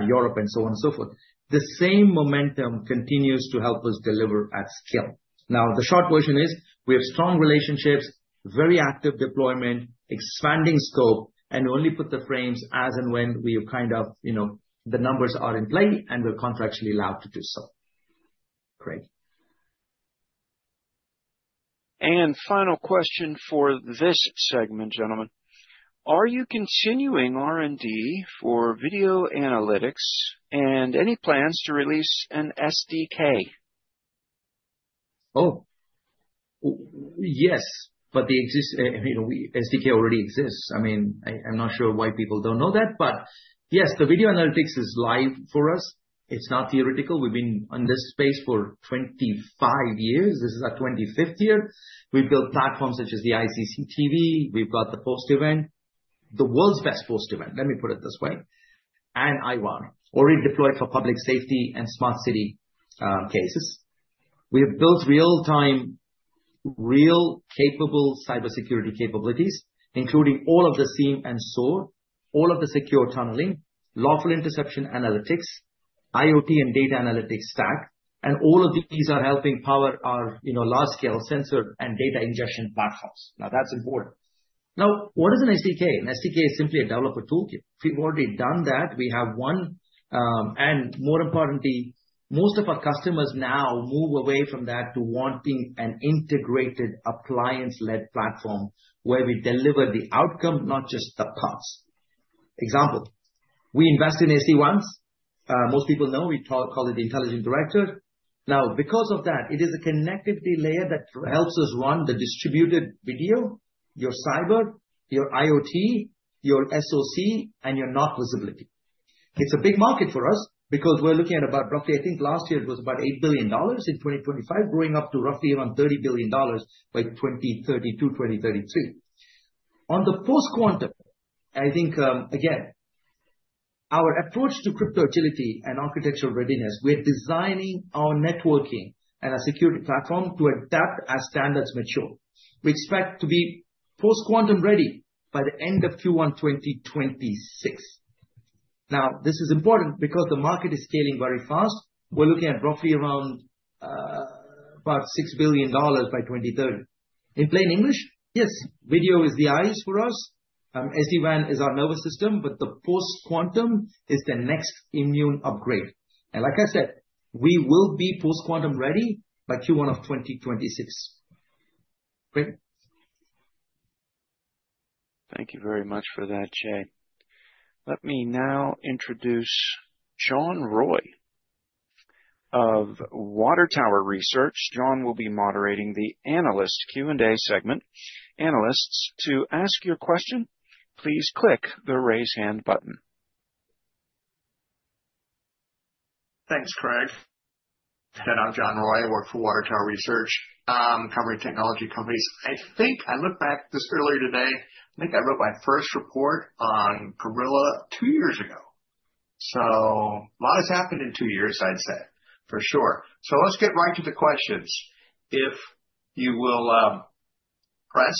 [SPEAKER 3] Europe, and so on and so forth. The same momentum continues to help us deliver at scale. Now, the short version is, we have strong relationships, very active deployment, expanding scope, and only put the frames as and when we are kind of, you know, the numbers are in play and we're contractually allowed to do so. Craig.
[SPEAKER 2] Final question for this segment, gentlemen. Are you continuing R&D for video analytics, and any plans to release an SDK?
[SPEAKER 3] Oh, yes, but you know, we, SDK already exists. I mean, I'm not sure why people don't know that, but yes, the video analytics is live for us. It's not theoretical. We've been in this space for 25 years. This is our 25th year. We've built platforms such as the iCCTV, we've got the post event, the world's best post event, let me put it this way, and IVAR, already deployed for public safety and smart city cases. We have built real-time, real capable cybersecurity capabilities, including all of the SIEM and SOAR, all of the secure tunneling, lawful interception analytics, IoT and data analytics stack, and all of these are helping power our, you know, large-scale sensor and data ingestion backhouse. Now, that's important. Now, what is an SDK? An SDK is simply a developer toolkit. We've already done that. We have one, and more importantly, most of our customers now move away from that to wanting an integrated appliance-led platform, where we deliver the outcome, not just the parts. Example, we invest in SD-WANs. Most people know, we call, call it the Intelligent Director. Now, because of that, it is a connectivity layer that helps us run the distributed video, your cyber, your IoT, your SoC, and your network visibility. It's a big market for us because we're looking at about roughly, I think last year it was about $8 billion in 2025, growing up to roughly around $30 billion by 2030-2033. On the post-quantum, I think, again, our approach to crypto agility and architectural readiness, we're designing our networking and our security platform to adapt as standards mature. We expect to be post-quantum ready by the end of Q1 2026. Now, this is important because the market is scaling very fast. We're looking at roughly around, about $6 billion by 2030. In plain English, yes, video is the eyes for us, SD-WAN is our nervous system, but the post-quantum is the next immune upgrade. And like I said, we will be post-quantum ready by Q1 of 2026. Craig.
[SPEAKER 2] Thank you very much for that, Jay. Let me now introduce John Roy of Water Tower Research. John will be moderating the analyst Q&A segment. Analysts, to ask your question, please click the Raise Hand button.
[SPEAKER 5] Thanks, Craig. And I'm John Roy. I work for Water Tower Research, covering technology companies. I think I look back just earlier today, I think I wrote my first report on Gorilla two years ago. So a lot has happened in two years, I'd say. For sure. So let's get right to the questions. If you will, press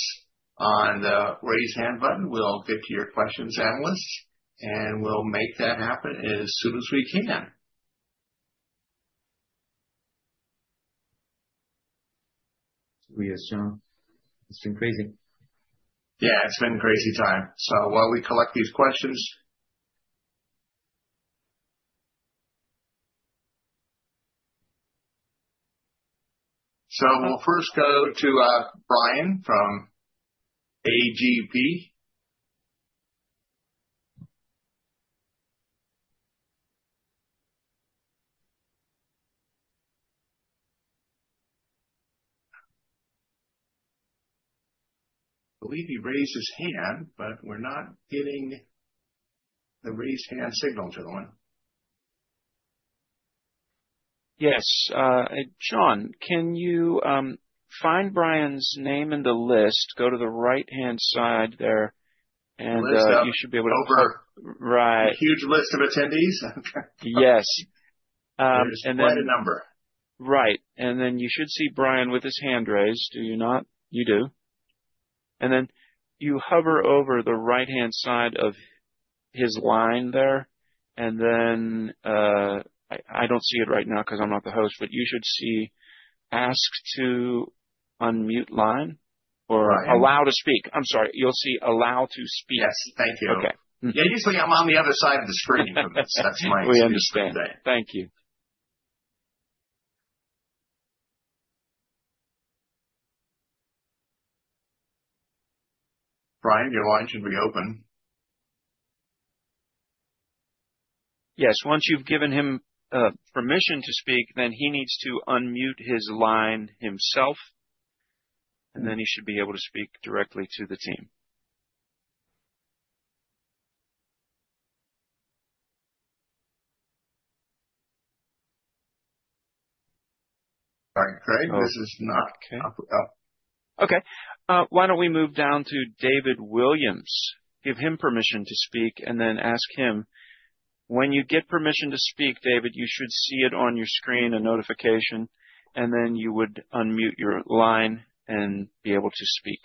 [SPEAKER 5] on the Raise Hand button, we'll get to your questions, analysts, and we'll make that happen as soon as we can.
[SPEAKER 3] We assume it's been crazy.
[SPEAKER 2] Yeah, it's been a crazy time. So while we collect these questions. So we'll first go to Brian from A.G.P. I believe he raised his hand, but we're not getting the raised hand signal, John. Yes, John, can you find Brian's name in the list? Go to the right-hand side there, and you should be able to-
[SPEAKER 5] Over.
[SPEAKER 2] Right.
[SPEAKER 5] A huge list of attendees?
[SPEAKER 2] Yes. And then-
[SPEAKER 5] Just quite a number.
[SPEAKER 2] Right. And then you should see Brian with his hand raised. Do you not? You do. And then you hover over the right-hand side of his line there, and then, I don't see it right now, 'cause I'm not the host, but you should see Ask to Unmute Line or Allow to Speak. I'm sorry. You'll see Allow to Speak.
[SPEAKER 5] Yes, thank you.
[SPEAKER 2] Okay.
[SPEAKER 5] Yeah. Usually, I'm on the other side of the screen. That's my-
[SPEAKER 2] We understand. Thank you.
[SPEAKER 5] Brian, your line should be open.
[SPEAKER 2] Yes. Once you've given him permission to speak, then he needs to unmute his line himself, and then he should be able to speak directly to the team.
[SPEAKER 5] All right, Craig, this is not-
[SPEAKER 2] Okay. Why don't we move down to David Williams? Give him permission to speak, and then ask him. When you get permission to speak, David, you should see it on your screen, a notification, and then you would unmute your line and be able to speak.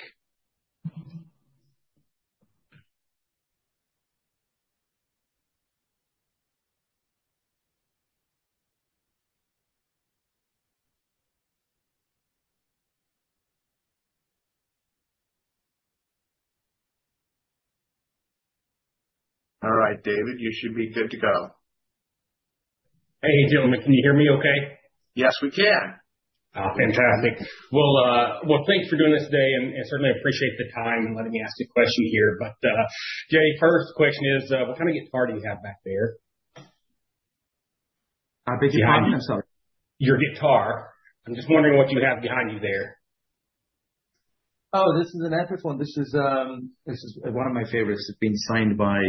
[SPEAKER 5] All right, David, you should be good to go.
[SPEAKER 6] Hey, gentlemen, can you hear me okay?
[SPEAKER 5] Yes, we can.
[SPEAKER 6] Oh, fantastic. Well, thanks for doing this today and certainly appreciate the time and letting me ask a question here. But, Jay, first question is, what kind of guitar do you have back there?
[SPEAKER 3] I beg your pardon? I'm sorry.
[SPEAKER 6] Your guitar. I'm just wondering what you have behind you there.
[SPEAKER 3] Oh, this is an Epiphone. This is, this is one of my favorites. It's been signed by,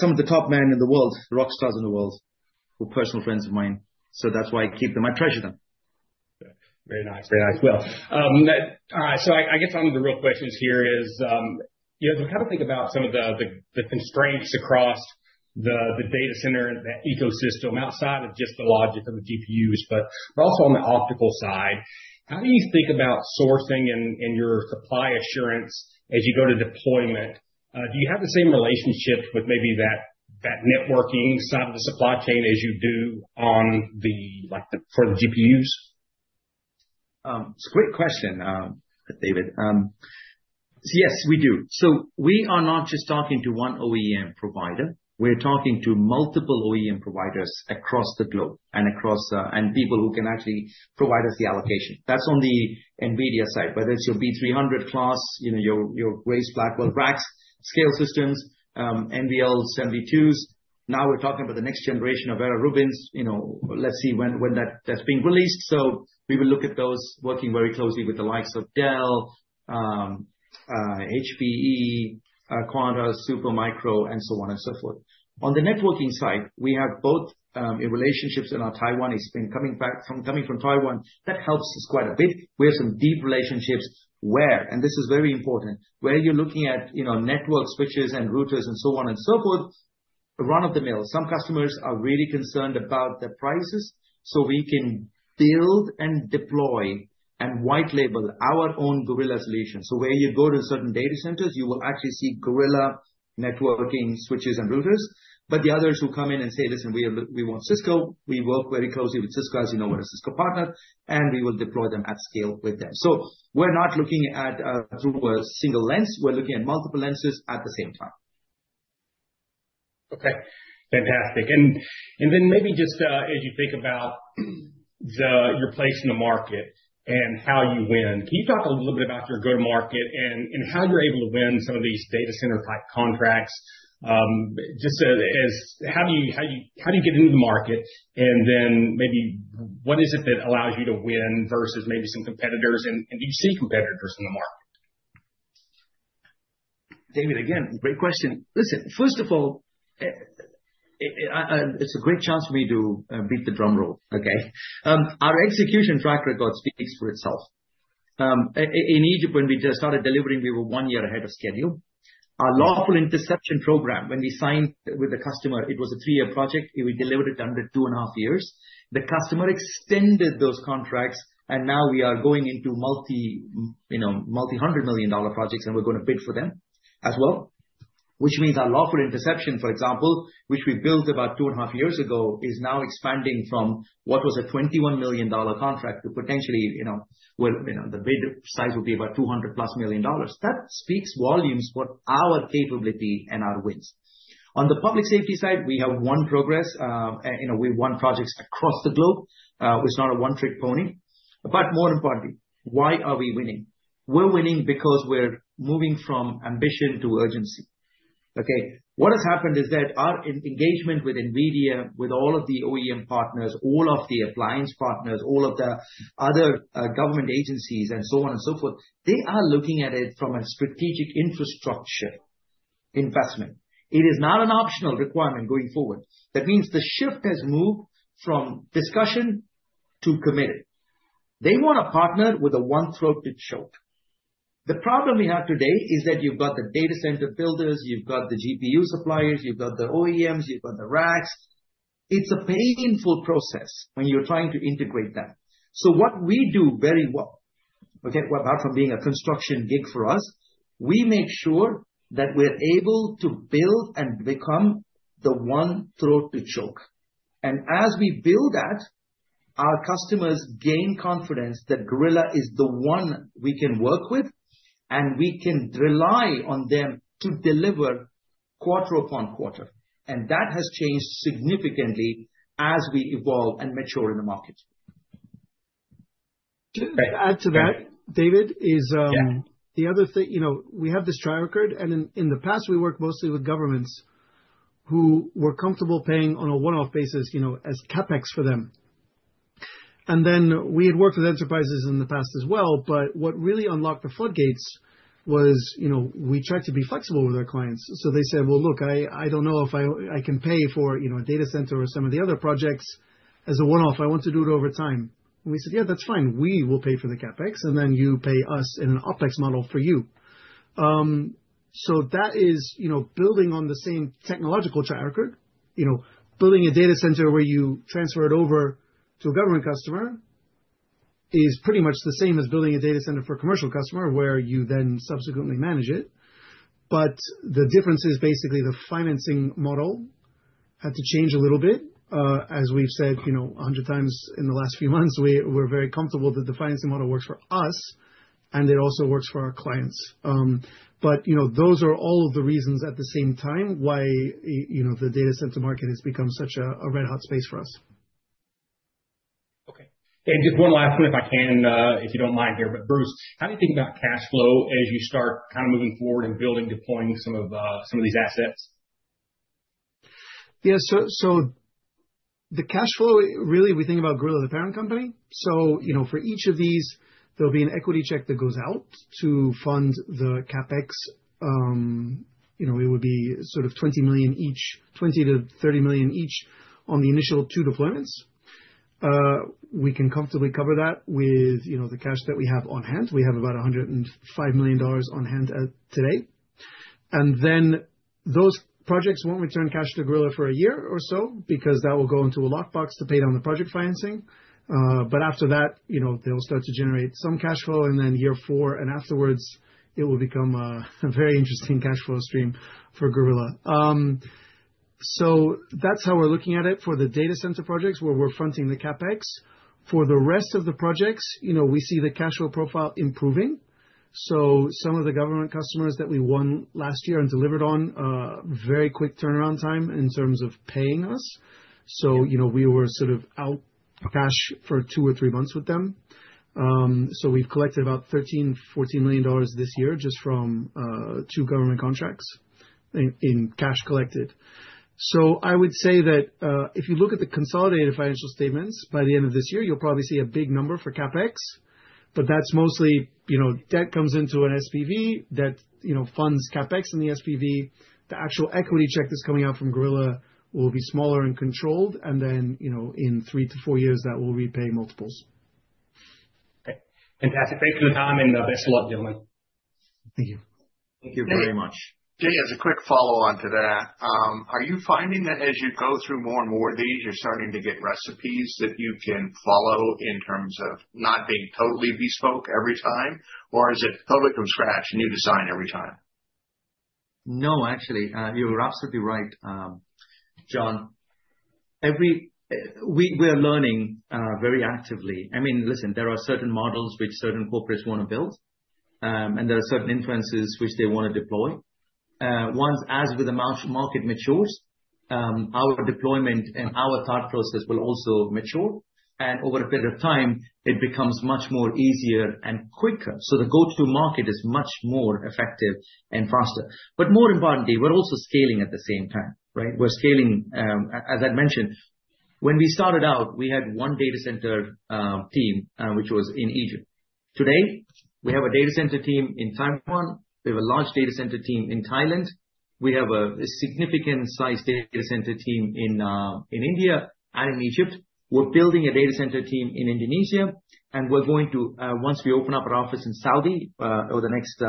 [SPEAKER 3] some of the top men in the world, rock stars in the world, who are personal friends of mine. So that's why I keep them. I treasure them.
[SPEAKER 6] Very nice. Very nice. Well, all right, so I guess one of the real questions here is, you know, how do you think about some of the constraints across the data center ecosystem, outside of just the logic of the GPUs, but also on the optical side? How do you think about sourcing and your supply assurance as you go to deployment? Do you have the same relationships with maybe that networking side of the supply chain as you do on the, like, for the GPUs?
[SPEAKER 3] It's a great question, David. Yes, we do. So we are not just talking to one OEM provider. We're talking to multiple OEM providers across the globe and across. And people who can actually provide us the allocation. That's on the NVIDIA side, whether it's your B300 class, you know, your, your Grace Blackwell rack-scale systems, NVL72s. Now we're talking about the next generation of Vera Rubins. You know, let's see when, when that, that's being released. So we will look at those, working very closely with the likes of Dell, HPE, Quanta, Supermicro, and so on and so forth. On the networking side, we have both, relationships in our Taiwan. It's been coming from Taiwan. That helps us quite a bit. We have some deep relationships where, and this is very important, where you're looking at, you know, network switches and routers and so on and so forth, run-of-the-mill. Some customers are really concerned about the prices, so we can build and deploy and white label our own Gorilla solution. So where you go to certain data centers, you will actually see Gorilla networking switches and routers, but the others will come in and say, "Listen, we, we want Cisco." We work very closely with Cisco, as you know, we're a Cisco partner, and we will deploy them at scale with them. So we're not looking at through a single lens. We're looking at multiple lenses at the same time.
[SPEAKER 6] Okay, fantastic. And, and then maybe just, as you think about the, your place in the market and how you win, can you talk a little bit about your go-to-market and, and how you're able to win some of these data center type contracts? Just as, as how do you, how do you, how do you get into the market, and then maybe what is it that allows you to win versus maybe some competitors, and, and do you see competitors in the market?
[SPEAKER 3] David, again, great question. Listen, first of all, it's a great chance for me to beat the drum roll, okay? Our execution track record speaks for itself. In Egypt, when we just started delivering, we were one year ahead of schedule. Our lawful interception program, when we signed with the customer, it was a three-year project, and we delivered it under two and a half years. The customer extended those contracts, and now we are going into multi-hundred-million-dollar projects, and we're gonna bid for them as well, which means our lawful interception, for example, which we built about two and a half years ago, is now expanding from what was a $21 million contract to potentially, you know, well, you know, the bid size will be about $200+ million. That speaks volumes for our capability and our wins. On the public safety side, we have won progress. You know, we've won projects across the globe. It's not a one-trick pony, but more importantly, why are we winning? We're winning because we're moving from ambition to urgency, okay? What has happened is that our engagement with NVIDIA, with all of the OEM partners, all of the appliance partners, all of the other, government agencies, and so on and so forth, they are looking at it from a strategic infrastructure investment. It is not an optional requirement going forward. That means the shift has moved from discussion to committed. They want to partner with a one throat to choke. The problem we have today is that you've got the data center builders, you've got the GPU suppliers, you've got the OEMs, you've got the racks. It's a painful process when you're trying to integrate that. So what we do very well, okay, apart from being a construction gig for us, we make sure that we're able to build and become the one throat to choke. And as we build that, our customers gain confidence that Gorilla is the one we can work with, and we can rely on them to deliver quarter upon quarter. And that has changed significantly as we evolve and mature in the market.
[SPEAKER 4] To add to that, David, is,
[SPEAKER 6] Yeah.
[SPEAKER 4] The other thing, you know, we have this track record, and in the past, we worked mostly with governments, who were comfortable paying on a one-off basis, you know, as CapEx for them. And then we had worked with enterprises in the past as well, but what really unlocked the floodgates was, you know, we tried to be flexible with our clients. So they said, "Well, look, I don't know if I can pay for, you know, a data center or some of the other projects as a one-off. I want to do it over time." And we said, "Yeah, that's fine. We will pay for the CapEx, and then you pay us in an OpEx model for you." So that is, you know, building on the same technological track record, you know, building a data center where you transfer it over to a government customer is pretty much the same as building a data center for a commercial customer, where you then subsequently manage it. But the difference is basically the financing model had to change a little bit. As we've said, you know, 100 times in the last few months, we're very comfortable that the financing model works for us, and it also works for our clients. But, you know, those are all of the reasons at the same time, why, you know, the data center market has become such a red hot space for us.
[SPEAKER 6] Okay. And just one last one, if I can, if you don't mind here, but Bruce, how do you think about cash flow as you start kind of moving forward and building, deploying some of, some of these assets?
[SPEAKER 4] Yeah. So the cash flow, really, we think about Gorilla, the parent company. So, you know, for each of these, there'll be an equity check that goes out to fund the CapEx. You know, it would be sort of $20 million each, $20 million-$30 million each on the initial two deployments. We can comfortably cover that with, you know, the cash that we have on hand. We have about $105 million on hand as of today. And then those projects won't return cash to Gorilla for a year or so because that will go into a lockbox to pay down the project financing. But after that, you know, they'll start to generate some cash flow, and then year four and afterwards, it will become a very interesting cash flow stream for Gorilla. So that's how we're looking at it for the data center projects, where we're fronting the CapEx. For the rest of the projects, you know, we see the cash flow profile improving, so some of the government customers that we won last year and delivered on, very quick turnaround time in terms of paying us. So, you know, we were sort of out cash for two or three months with them. So we've collected about $13 million-$14 million this year, just from two government contracts in cash collected. So I would say that if you look at the consolidated financial statements, by the end of this year, you'll probably see a big number for CapEx, but that's mostly, you know, debt comes into an SPV that, you know, funds CapEx in the SPV. The actual equity check that's coming out from Gorilla will be smaller and controlled, and then, you know, in 3-4 years, that will repay multiples.
[SPEAKER 6] Okay. Fantastic. Thank you for your time, and best of luck, gentlemen.
[SPEAKER 4] Thank you.
[SPEAKER 3] Thank you very much.
[SPEAKER 5] Jay, as a quick follow-on to that, are you finding that as you go through more and more of these, you're starting to get recipes that you can follow in terms of not being totally bespoke every time? Or is it totally from scratch, new design every time?
[SPEAKER 3] No, actually, you're absolutely right, John. We're learning very actively. I mean, listen, there are certain models which certain corporates wanna build, and there are certain influences which they wanna deploy. Once, as the market matures, our deployment and our thought process will also mature, and over a period of time, it becomes much more easier and quicker. So the go-to-market is much more effective and faster. But more importantly, we're also scaling at the same time, right? We're scaling, as I mentioned, when we started out, we had one data center team, which was in Egypt. Today, we have a data center team in Taiwan, we have a large data center team in Thailand, we have a significant size data center team in India and in Egypt. We're building a data center team in Indonesia, and we're going to, once we open up our office in Saudi, over the next,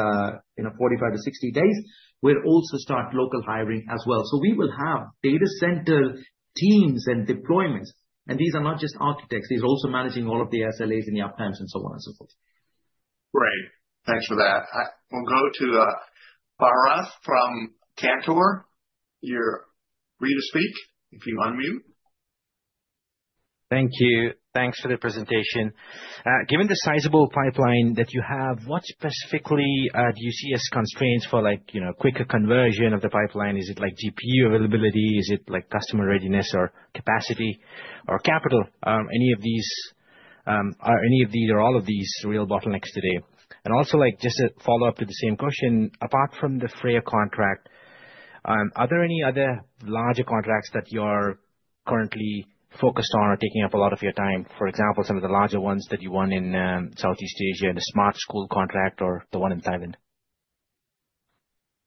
[SPEAKER 3] you know, 45-60 days, we'll also start local hiring as well. So we will have data center teams and deployments, and these are not just architects, these are also managing all of the SLAs and the uptimes, and so on and so forth.
[SPEAKER 5] Great. Thanks for that. We'll go to Bharath from Cantor. You're free to speak if you unmute.
[SPEAKER 7] Thank you. Thanks for the presentation. Given the sizable pipeline that you have, what specifically do you see as constraints for like, you know, quicker conversion of the pipeline? Is it like GPU availability? Is it like customer readiness or capacity or capital? Any of these, are any of these or all of these real bottlenecks today? And also, like, just to follow up with the same question, apart from the Freyr contract, are there any other larger contracts that you are currently focused on or taking up a lot of your time? For example, some of the larger ones that you won in Southeast Asia, the smart school contract or the one in Thailand.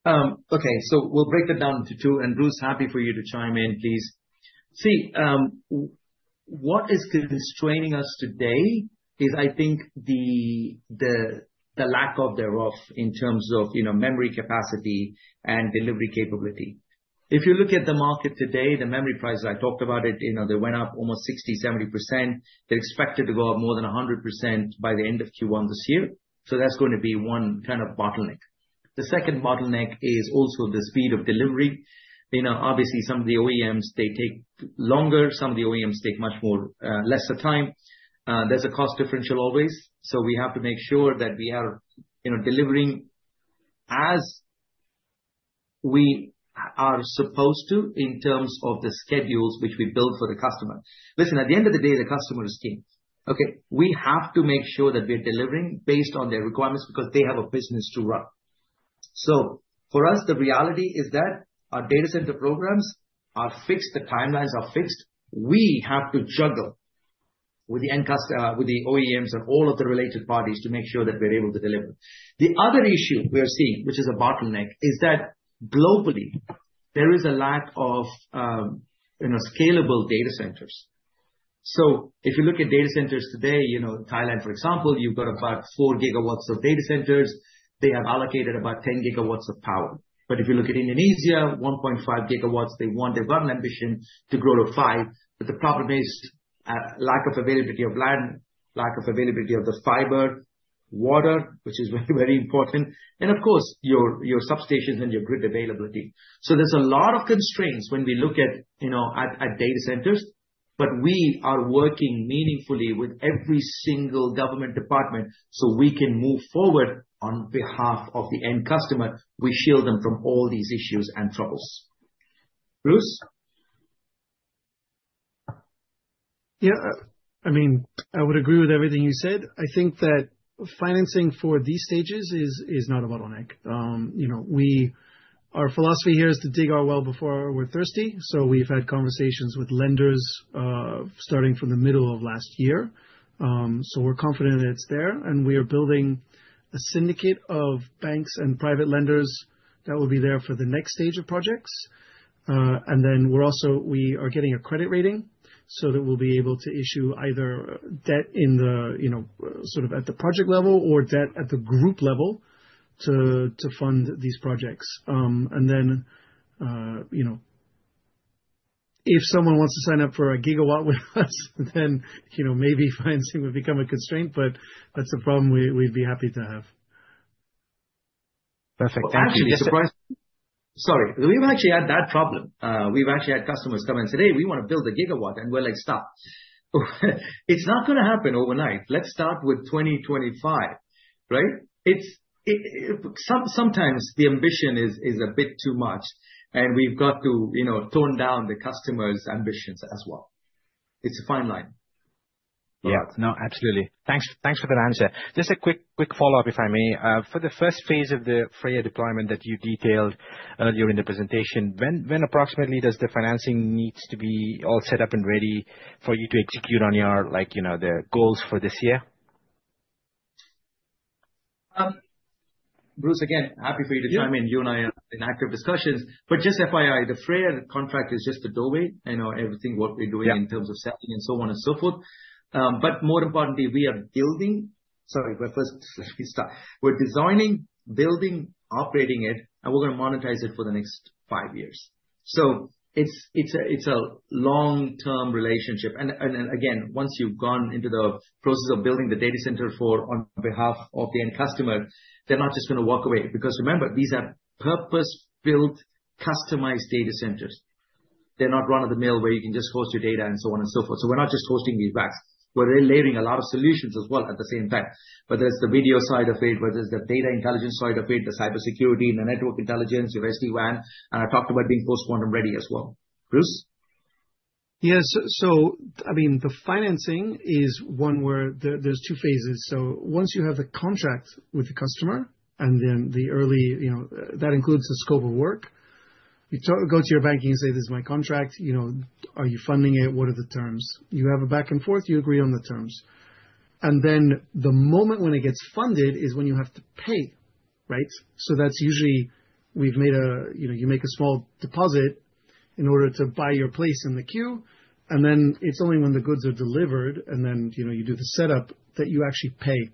[SPEAKER 3] Okay, so we'll break that down into two, and Bruce, happy for you to chime in, please. See, what is constraining us today is, I think the lack of thereof in terms of, you know, memory capacity and delivery capability. If you look at the market today, the memory prices, I talked about it, you know, they went up almost 60%, 70%. They're expected to go up more than 100% by the end of Q1 this year. So that's going to be one kind of bottleneck. The second bottleneck is also the speed of delivery. You know, obviously, some of the OEMs, they take longer, some of the OEMs take much more lesser time. There's a cost differential always, so we have to make sure that we are, you know, delivering as we are supposed to in terms of the schedules which we build for the customer. Listen, at the end of the day, the customer is king, okay? We have to make sure that we're delivering based on their requirements, because they have a business to run. So for us, the reality is that our data center programs are fixed, the timelines are fixed. We have to juggle with the end customer with the OEMs and all of the related parties to make sure that we're able to deliver. The other issue we are seeing, which is a bottleneck, is that globally, there is a lack of, you know, scalable data centers. So if you look at data centers today, you know, Thailand, for example, you've got about 4 GW of data centers. They have allocated about 10 GW of power. But if you look at Indonesia, 1.5 GW, they want... They've got an ambition to grow to 5 GW, but the problem is, lack of availability of land, lack of availability of the fiber, water, which is very important, and of course, your substations and your grid availability. So there's a lot of constraints when we look at, you know, data centers, but we are working meaningfully with every single government department, so we can move forward on behalf of the end customer. We shield them from all these issues and troubles. Bruce?
[SPEAKER 4] Yeah. I mean, I would agree with everything you said. I think that financing for these stages is not a bottleneck. You know, our philosophy here is to dig our well before we're thirsty, so we've had conversations with lenders, starting from the middle of last year. So we're confident that it's there, and we are building a syndicate of banks and private lenders that will be there for the next stage of projects. And then we are getting a credit rating, so that we'll be able to issue either debt in the, you know, sort of at the project level, or debt at the group level to fund these projects. Then, you know, if someone wants to sign up for a gigawatt with us, then, you know, maybe financing would become a constraint, but that's a problem we, we'd be happy to have.
[SPEAKER 7] Perfect.
[SPEAKER 3] Actually, sorry. We've actually had that problem. We've actually had customers come in and say, "Hey, we wanna build a gigawatt." And we're like, "Stop. It's not gonna happen overnight. Let's start with 2025." Right? It's sometimes the ambition is a bit too much, and we've got to, you know, tone down the customer's ambitions as well. It's a fine line.
[SPEAKER 7] Yeah. No, absolutely. Thanks, thanks for that answer. Just a quick, quick follow-up, if I may. For the first phase of the Freyr deployment that you detailed earlier in the presentation, when approximately does the financing need to be all set up and ready for you to execute on your, like, you know, the goals for this year?
[SPEAKER 3] Bruce, again, happy for you to chime in.
[SPEAKER 4] Yeah.
[SPEAKER 3] You and I are in active discussions, but just FYI, the Freyr contract is just the doorway, you know, everything, what we're doing-
[SPEAKER 4] Yeah...
[SPEAKER 3] in terms of selling and so on and so forth. But more importantly, we are building... Sorry, but first, let me start. We're designing, building, operating it, and we're gonna monetize it for the next five years. So it's, it's a, it's a long-term relationship. And, and then again, once you've gone into the process of building the data center for, on behalf of the end customer, they're not just gonna walk away, because remember, these are purpose-built, customized data centers.... They're not run-of-the-mill, where you can just host your data, and so on and so forth. So we're not just hosting these backs. We're really layering a lot of solutions as well, at the same time. But there's the video side of it, whether it's the data intelligence side of it, the cybersecurity, and the network intelligence, the SD-WAN, and I talked about being post-quantum ready as well. Bruce?
[SPEAKER 4] Yes. So, I mean, the financing is one where there, there's two phases. So once you have the contract with the customer, and then the early, you know, that includes the scope of work, you go to your bank and you say, "This is my contract, you know, are you funding it? What are the terms?" You have a back and forth, you agree on the terms. And then the moment when it gets funded is when you have to pay, right? So that's usually, we've made a, you know, you make a small deposit in order to buy your place in the queue, and then it's only when the goods are delivered, and then, you know, you do the setup, that you actually pay.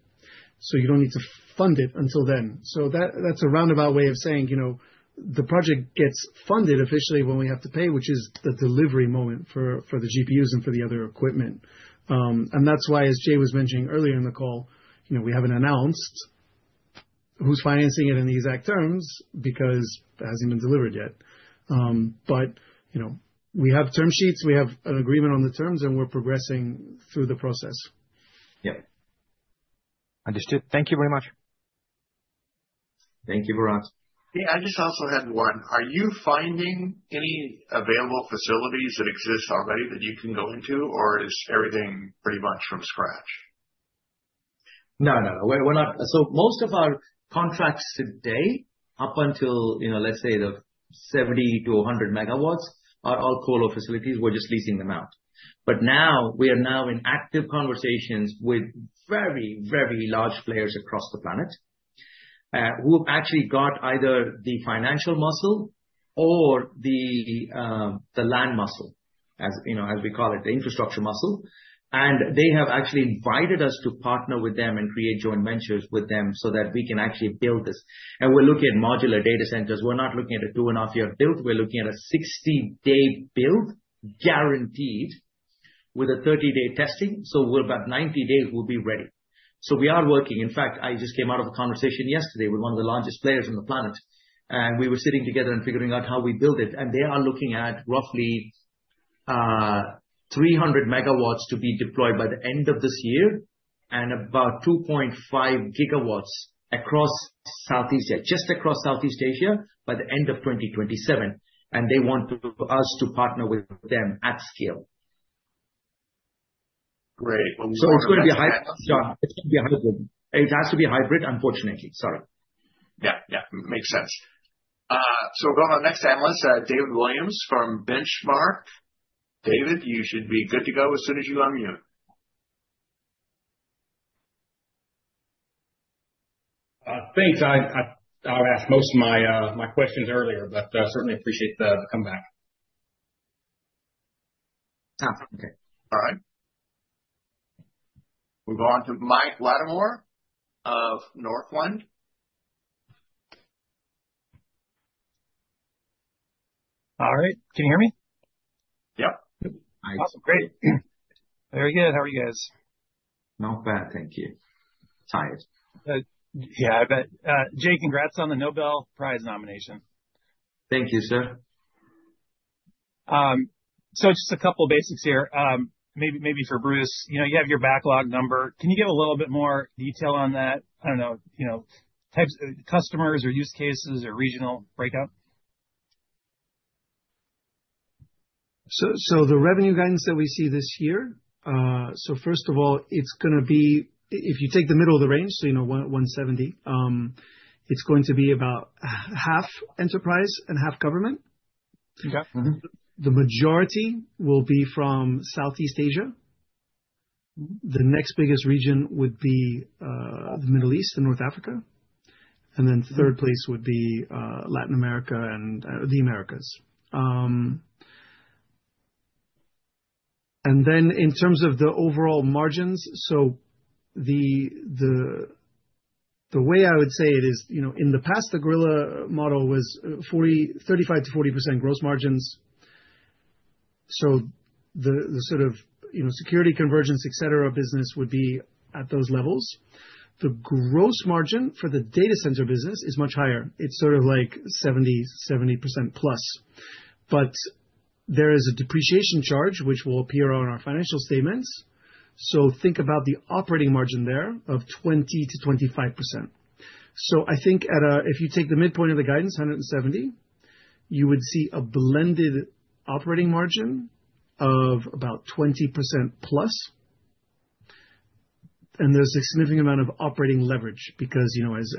[SPEAKER 4] So you don't need to fund it until then. So that's a roundabout way of saying, you know, the project gets funded officially when we have to pay, which is the delivery moment for the GPUs and for the other equipment. And that's why, as Jay was mentioning earlier in the call, you know, we haven't announced who's financing it in the exact terms, because it hasn't been delivered yet. But, you know, we have term sheets, we have an agreement on the terms, and we're progressing through the process.
[SPEAKER 7] Yeah. Understood. Thank you very much.
[SPEAKER 3] Thank you, Bharath.
[SPEAKER 5] Yeah, I just also had one. Are you finding any available facilities that exist already that you can go into, or is everything pretty much from scratch?
[SPEAKER 3] No, no, we're not. So most of our contracts today, up until, you know, let's say the 70 MW-100 MW, are all colo facilities, we're just leasing them out. But now, we are now in active conversations with very, very large players across the planet who've actually got either the financial muscle or the land muscle, as, you know, as we call it, the infrastructure muscle. And they have actually invited us to partner with them and create joint ventures with them, so that we can actually build this. And we're looking at modular data centers. We're not looking at a 2.5-year build, we're looking at a 60 day build, guaranteed, with a 30 day testing, so we're about 90 days, we'll be ready. So we are working. In fact, I just came out of a conversation yesterday with one of the largest players on the planet, and we were sitting together and figuring out how we build it. They are looking at roughly 300 MW to be deployed by the end of this year, and about 2.5 GW across Southeast Asia, just across Southeast Asia, by the end of 2027, and they want us to partner with them at scale.
[SPEAKER 5] Great, well-
[SPEAKER 3] It's gonna be a hybrid. It's gonna be a hybrid. It has to be a hybrid, unfortunately. Sorry.
[SPEAKER 5] Yeah, yeah, makes sense. So we'll go on to the next analyst, David Williams from Benchmark. David, you should be good to go as soon as you unmute.
[SPEAKER 6] Thanks. I asked most of my questions earlier, but certainly appreciate the comeback.
[SPEAKER 5] Ah, okay. All right. We'll go on to Mike Latimore of Northland.
[SPEAKER 8] All right. Can you hear me?
[SPEAKER 5] Yep.
[SPEAKER 3] Hi.
[SPEAKER 8] Awesome, great. Very good. How are you guys?
[SPEAKER 3] Not bad, thank you. Tired.
[SPEAKER 8] Yeah, I bet. Jay, congrats on the Nobel Prize nomination.
[SPEAKER 3] Thank you, sir.
[SPEAKER 8] So just a couple basics here. Maybe for Bruce. You know, you have your backlog number. Can you give a little bit more detail on that? I don't know, you know, types of customers, or use cases, or regional breakup?
[SPEAKER 4] So the revenue guidance that we see this year, so first of all, it's gonna be. If you take the middle of the range, so you know, $170, it's going to be about half enterprise and half government.
[SPEAKER 8] Okay.
[SPEAKER 4] The majority will be from Southeast Asia. The next biggest region would be, the Middle East and North Africa, and then third place would be, Latin America and, the Americas. And then in terms of the overall margins, so the, the, the way I would say it is, you know, in the past, the Gorilla model was, 35%-40% gross margins. So the, the, sort of, you know, security convergence, et cetera, business would be at those levels. The gross margin for the data center business is much higher. It's sort of like 70%+. But there is a depreciation charge, which will appear on our financial statements, so think about the operating margin there of 20%-25%. So I think at a... If you take the midpoint of the guidance, $170 million, you would see a blended operating margin of about 20%+. There's a significant amount of operating leverage, because, you know, as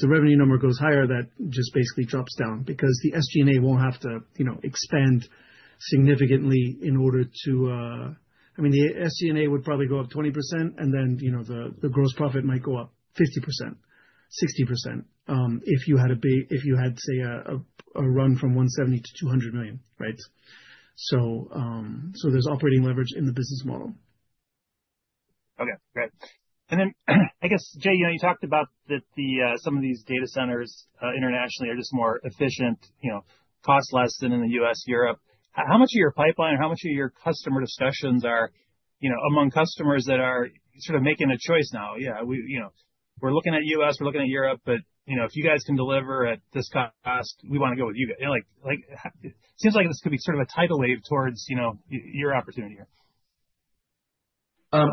[SPEAKER 4] the revenue number goes higher, that just basically drops down, because the SG&A won't have to, you know, expand significantly in order to. I mean, the SG&A would probably go up 20%, and then, you know, the gross profit might go up 50%, 60%, if you had, say, a run from $170 million to $200 million, right? So there's operating leverage in the business model.
[SPEAKER 8] Okay, great. And then, I guess, Jay, you know, you talked about that the some of these data centers internationally are just more efficient, you know, cost less than in the U.S., Europe. How much of your pipeline or how much of your customer discussions are, you know, among customers that are sort of making a choice now? Yeah, we, you know, we're looking at U.S., we're looking at Europe, but, you know, if you guys can deliver at this cost, we wanna go with you guys. You know, like, it seems like this could be sort of a tidal wave towards, you know, your opportunity here.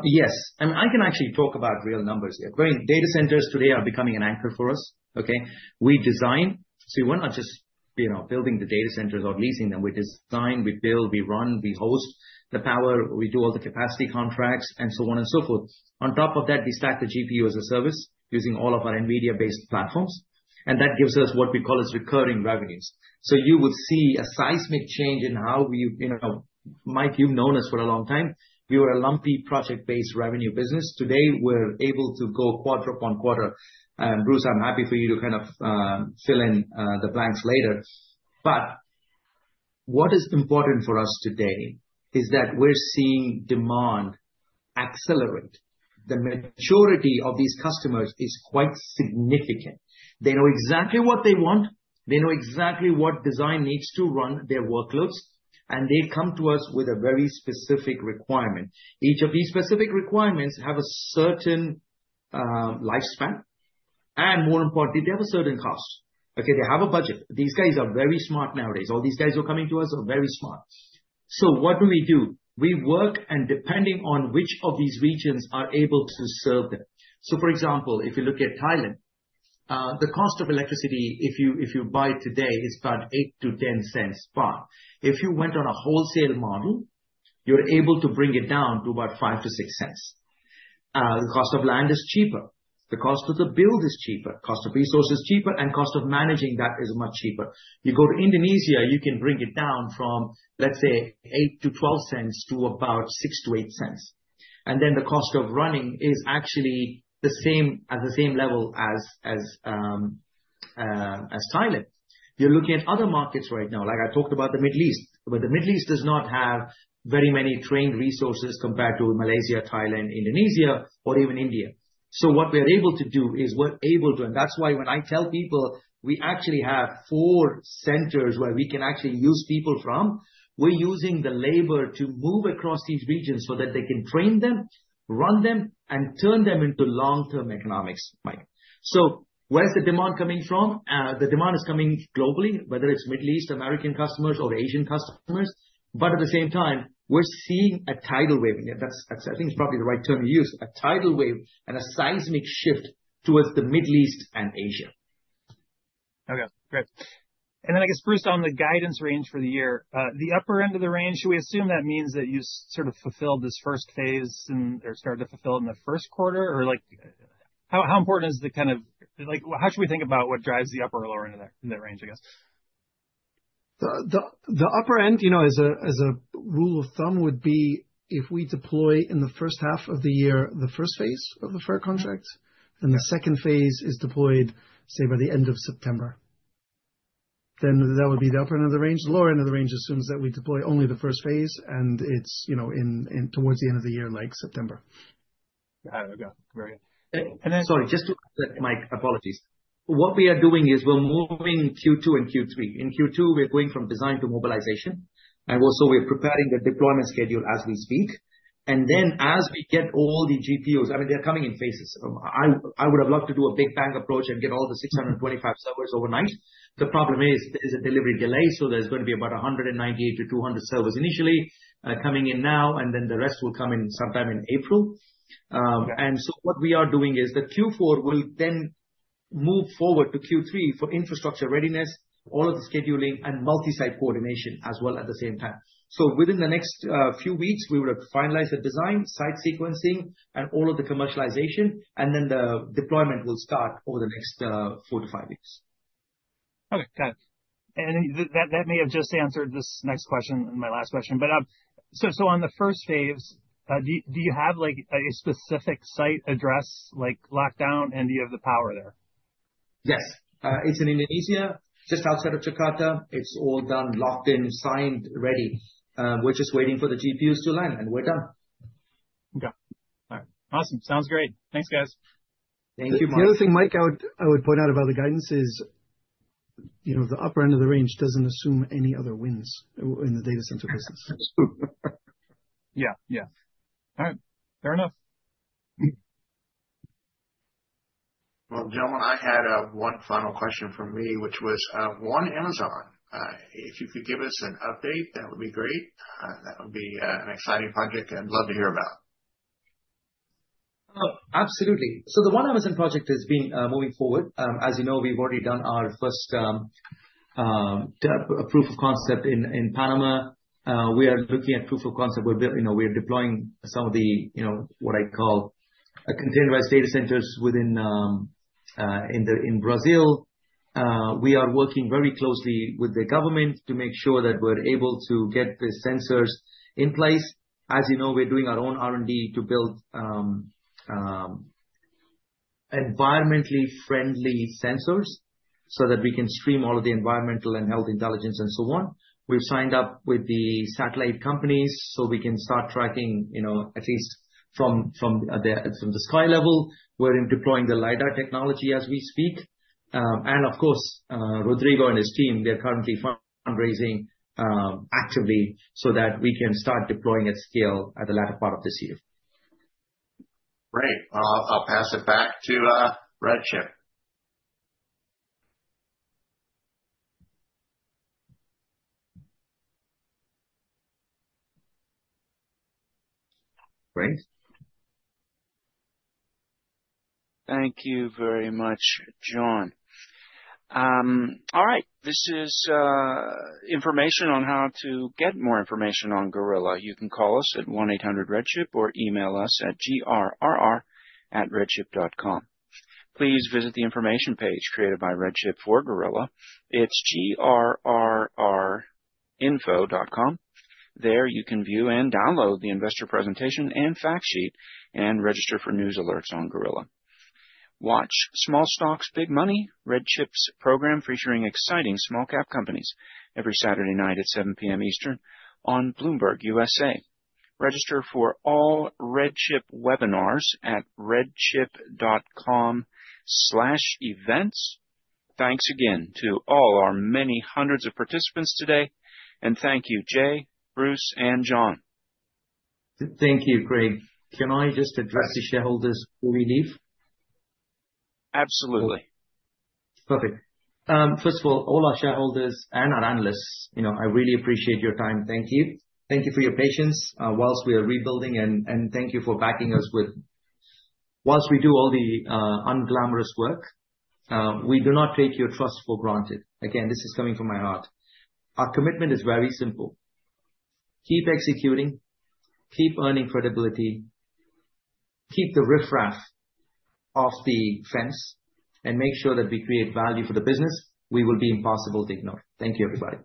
[SPEAKER 3] Yes, and I can actually talk about real numbers here. Great. Data centers today are becoming an anchor for us, okay? We design. So we're not just, you know, building the data centers or leasing them. We design, we build, we run, we host the power, we do all the capacity contracts, and so on and so forth. On top of that, we stack the GPU as a service using all of our NVIDIA-based platforms, and that gives us what we call as recurring revenues. So you will see a seismic change in how we, you know... Mike, you've known us for a long time. We were a lumpy, project-based revenue business. Today, we're able to go quarter upon quarter. And Bruce, I'm happy for you to kind of, fill in, the blanks later. But what is important for us today is that we're seeing demand accelerate. The maturity of these customers is quite significant. They know exactly what they want, they know exactly what design needs to run their workloads, and they come to us with a very specific requirement. Each of these specific requirements have a certain lifespan, and more importantly, they have a certain cost. Okay, they have a budget. These guys are very smart nowadays. All these guys who are coming to us are very smart. So what do we do? We work, and depending on which of these regions are able to serve them. So, for example, if you look at Thailand, the cost of electricity, if you buy today, is about $0.08-$0.10. But if you went on a wholesale model, you're able to bring it down to about $0.05-$0.06. The cost of land is cheaper, the cost of the build is cheaper, cost of resource is cheaper, and cost of managing that is much cheaper. You go to Indonesia, you can bring it down from, let's say, $0.08-$0.12 to about $0.06-$0.08. And then the cost of running is actually the same, at the same level as Thailand. You're looking at other markets right now, like I talked about the Middle East, but the Middle East does not have very many trained resources compared to Malaysia, Thailand, Indonesia, or even India. So what we're able to do, is we're able to... And that's why when I tell people, we actually have four centers where we can actually use people from, we're using the labor to move across each region so that they can train them, run them, and turn them into long-term economics, Mike. So where is the demand coming from? The demand is coming globally, whether it's Middle East, American customers or Asian customers, but at the same time, we're seeing a tidal wave. Yeah, that's, that's I think it's probably the right term to use, a tidal wave and a seismic shift towards the Middle East and Asia.
[SPEAKER 8] Okay, great. And then I guess, Bruce, on the guidance range for the year, the upper end of the range, should we assume that means that you sort of fulfilled this first phase and, or started to fulfill it in the first quarter? Or like, how, how important is the kind of—like, how should we think about what drives the upper or lower end of that, that range, I guess?
[SPEAKER 4] The upper end, you know, as a rule of thumb, would be if we deploy in the first half of the year, the first phase of the fair contract.
[SPEAKER 8] Yeah.
[SPEAKER 4] the second phase is deployed, say, by the end of September, then that would be the upper end of the range. The lower end of the range assumes that we deploy only the first phase, and it's, you know, in towards the end of the year, like September.
[SPEAKER 8] There we go. Great. And then-
[SPEAKER 3] Sorry, just to... Mike, apologies. What we are doing is we're moving Q2 and Q3. In Q2, we're going from design to mobilization, and also we're preparing the deployment schedule as we speak. And then, as we get all the GPUs, I mean, they're coming in phases. I would have loved to do a big bang approach and get all the 625 servers overnight. The problem is, there is a delivery delay, so there's going to be about 198-200 servers initially coming in now, and then the rest will come in sometime in April. And so what we are doing is that Q4 will then move forward to Q3 for infrastructure readiness, all of the scheduling and multi-site coordination as well at the same time. So within the next few weeks, we will have finalized the design, site sequencing, and all of the commercialization, and then the deployment will start over the next four-five weeks.
[SPEAKER 8] Okay, got it. And that may have just answered this next question and my last question, but so on the first phase, do you have, like, a specific site address, like, locked down, and do you have the power there?
[SPEAKER 3] Yes. It's in Indonesia, just outside of Jakarta. It's all done, locked in, signed, ready. We're just waiting for the GPUs to land, and we're done.
[SPEAKER 8] Okay. All right, awesome. Sounds great. Thanks, guys.
[SPEAKER 3] Thank you, Mike.
[SPEAKER 4] The other thing, Mike, I would point out about the guidance is, you know, the upper end of the range doesn't assume any other wins in the data center business.
[SPEAKER 8] Yeah. Yeah. All right. Fair enough.
[SPEAKER 5] Well, gentlemen, I had one final question from me, which was ONE AMAZON. If you could give us an update, that would be great. That would be an exciting project I'd love to hear about.
[SPEAKER 3] Oh, absolutely. So the ONE AMAZON project is being moving forward. As you know, we've already done our first proof of concept in Panama. We are looking at proof of concept where, you know, we are deploying some of the, you know, what I call a containerized data centers within in Brazil. We are working very closely with the government to make sure that we're able to get the sensors in place. As you know, we're doing our own R&D to build environmentally friendly sensors so that we can stream all of the environmental and health intelligence and so on. We've signed up with the satellite companies so we can start tracking, you know, at least from the sky level. We're deploying the LiDAR technology as we speak. Of course, Rodrigo and his team, they're currently fundraising actively so that we can start deploying at scale at the latter part of this year.
[SPEAKER 5] Great. I'll pass it back to RedChip.
[SPEAKER 3] Greg?
[SPEAKER 2] Thank you very much, John. All right, this is information on how to get more information on Gorilla. You can call us at 1-800 RedChip or email us at grrr@redchip.com. Please visit the information page created by RedChip for Gorilla. It's grrinfo.com. There, you can view and download the investor presentation and fact sheet and register for news alerts on Gorilla. Watch Small Stocks, Big Money, RedChip's program, featuring exciting small cap companies every Saturday night at 7 P.M. Eastern on Bloomberg U.S.A. Register for all RedChip webinars at redchip.com/events. Thanks again to all our many hundreds of participants today. And thank you, Jay, Bruce, and John.
[SPEAKER 3] Thank you, Greg. Can I just address the shareholders before we leave?
[SPEAKER 2] Absolutely.
[SPEAKER 3] Perfect. First of all, all our shareholders and our analysts, you know, I really appreciate your time. Thank you. Thank you for your patience, whilst we are rebuilding, and thank you for backing us with. Whilst we do all the unglamorous work, we do not take your trust for granted. Again, this is coming from my heart. Our commitment is very simple: keep executing, keep earning credibility, keep the riffraff off the fence, and make sure that we create value for the business. We will be impossible to ignore. Thank you, everybody.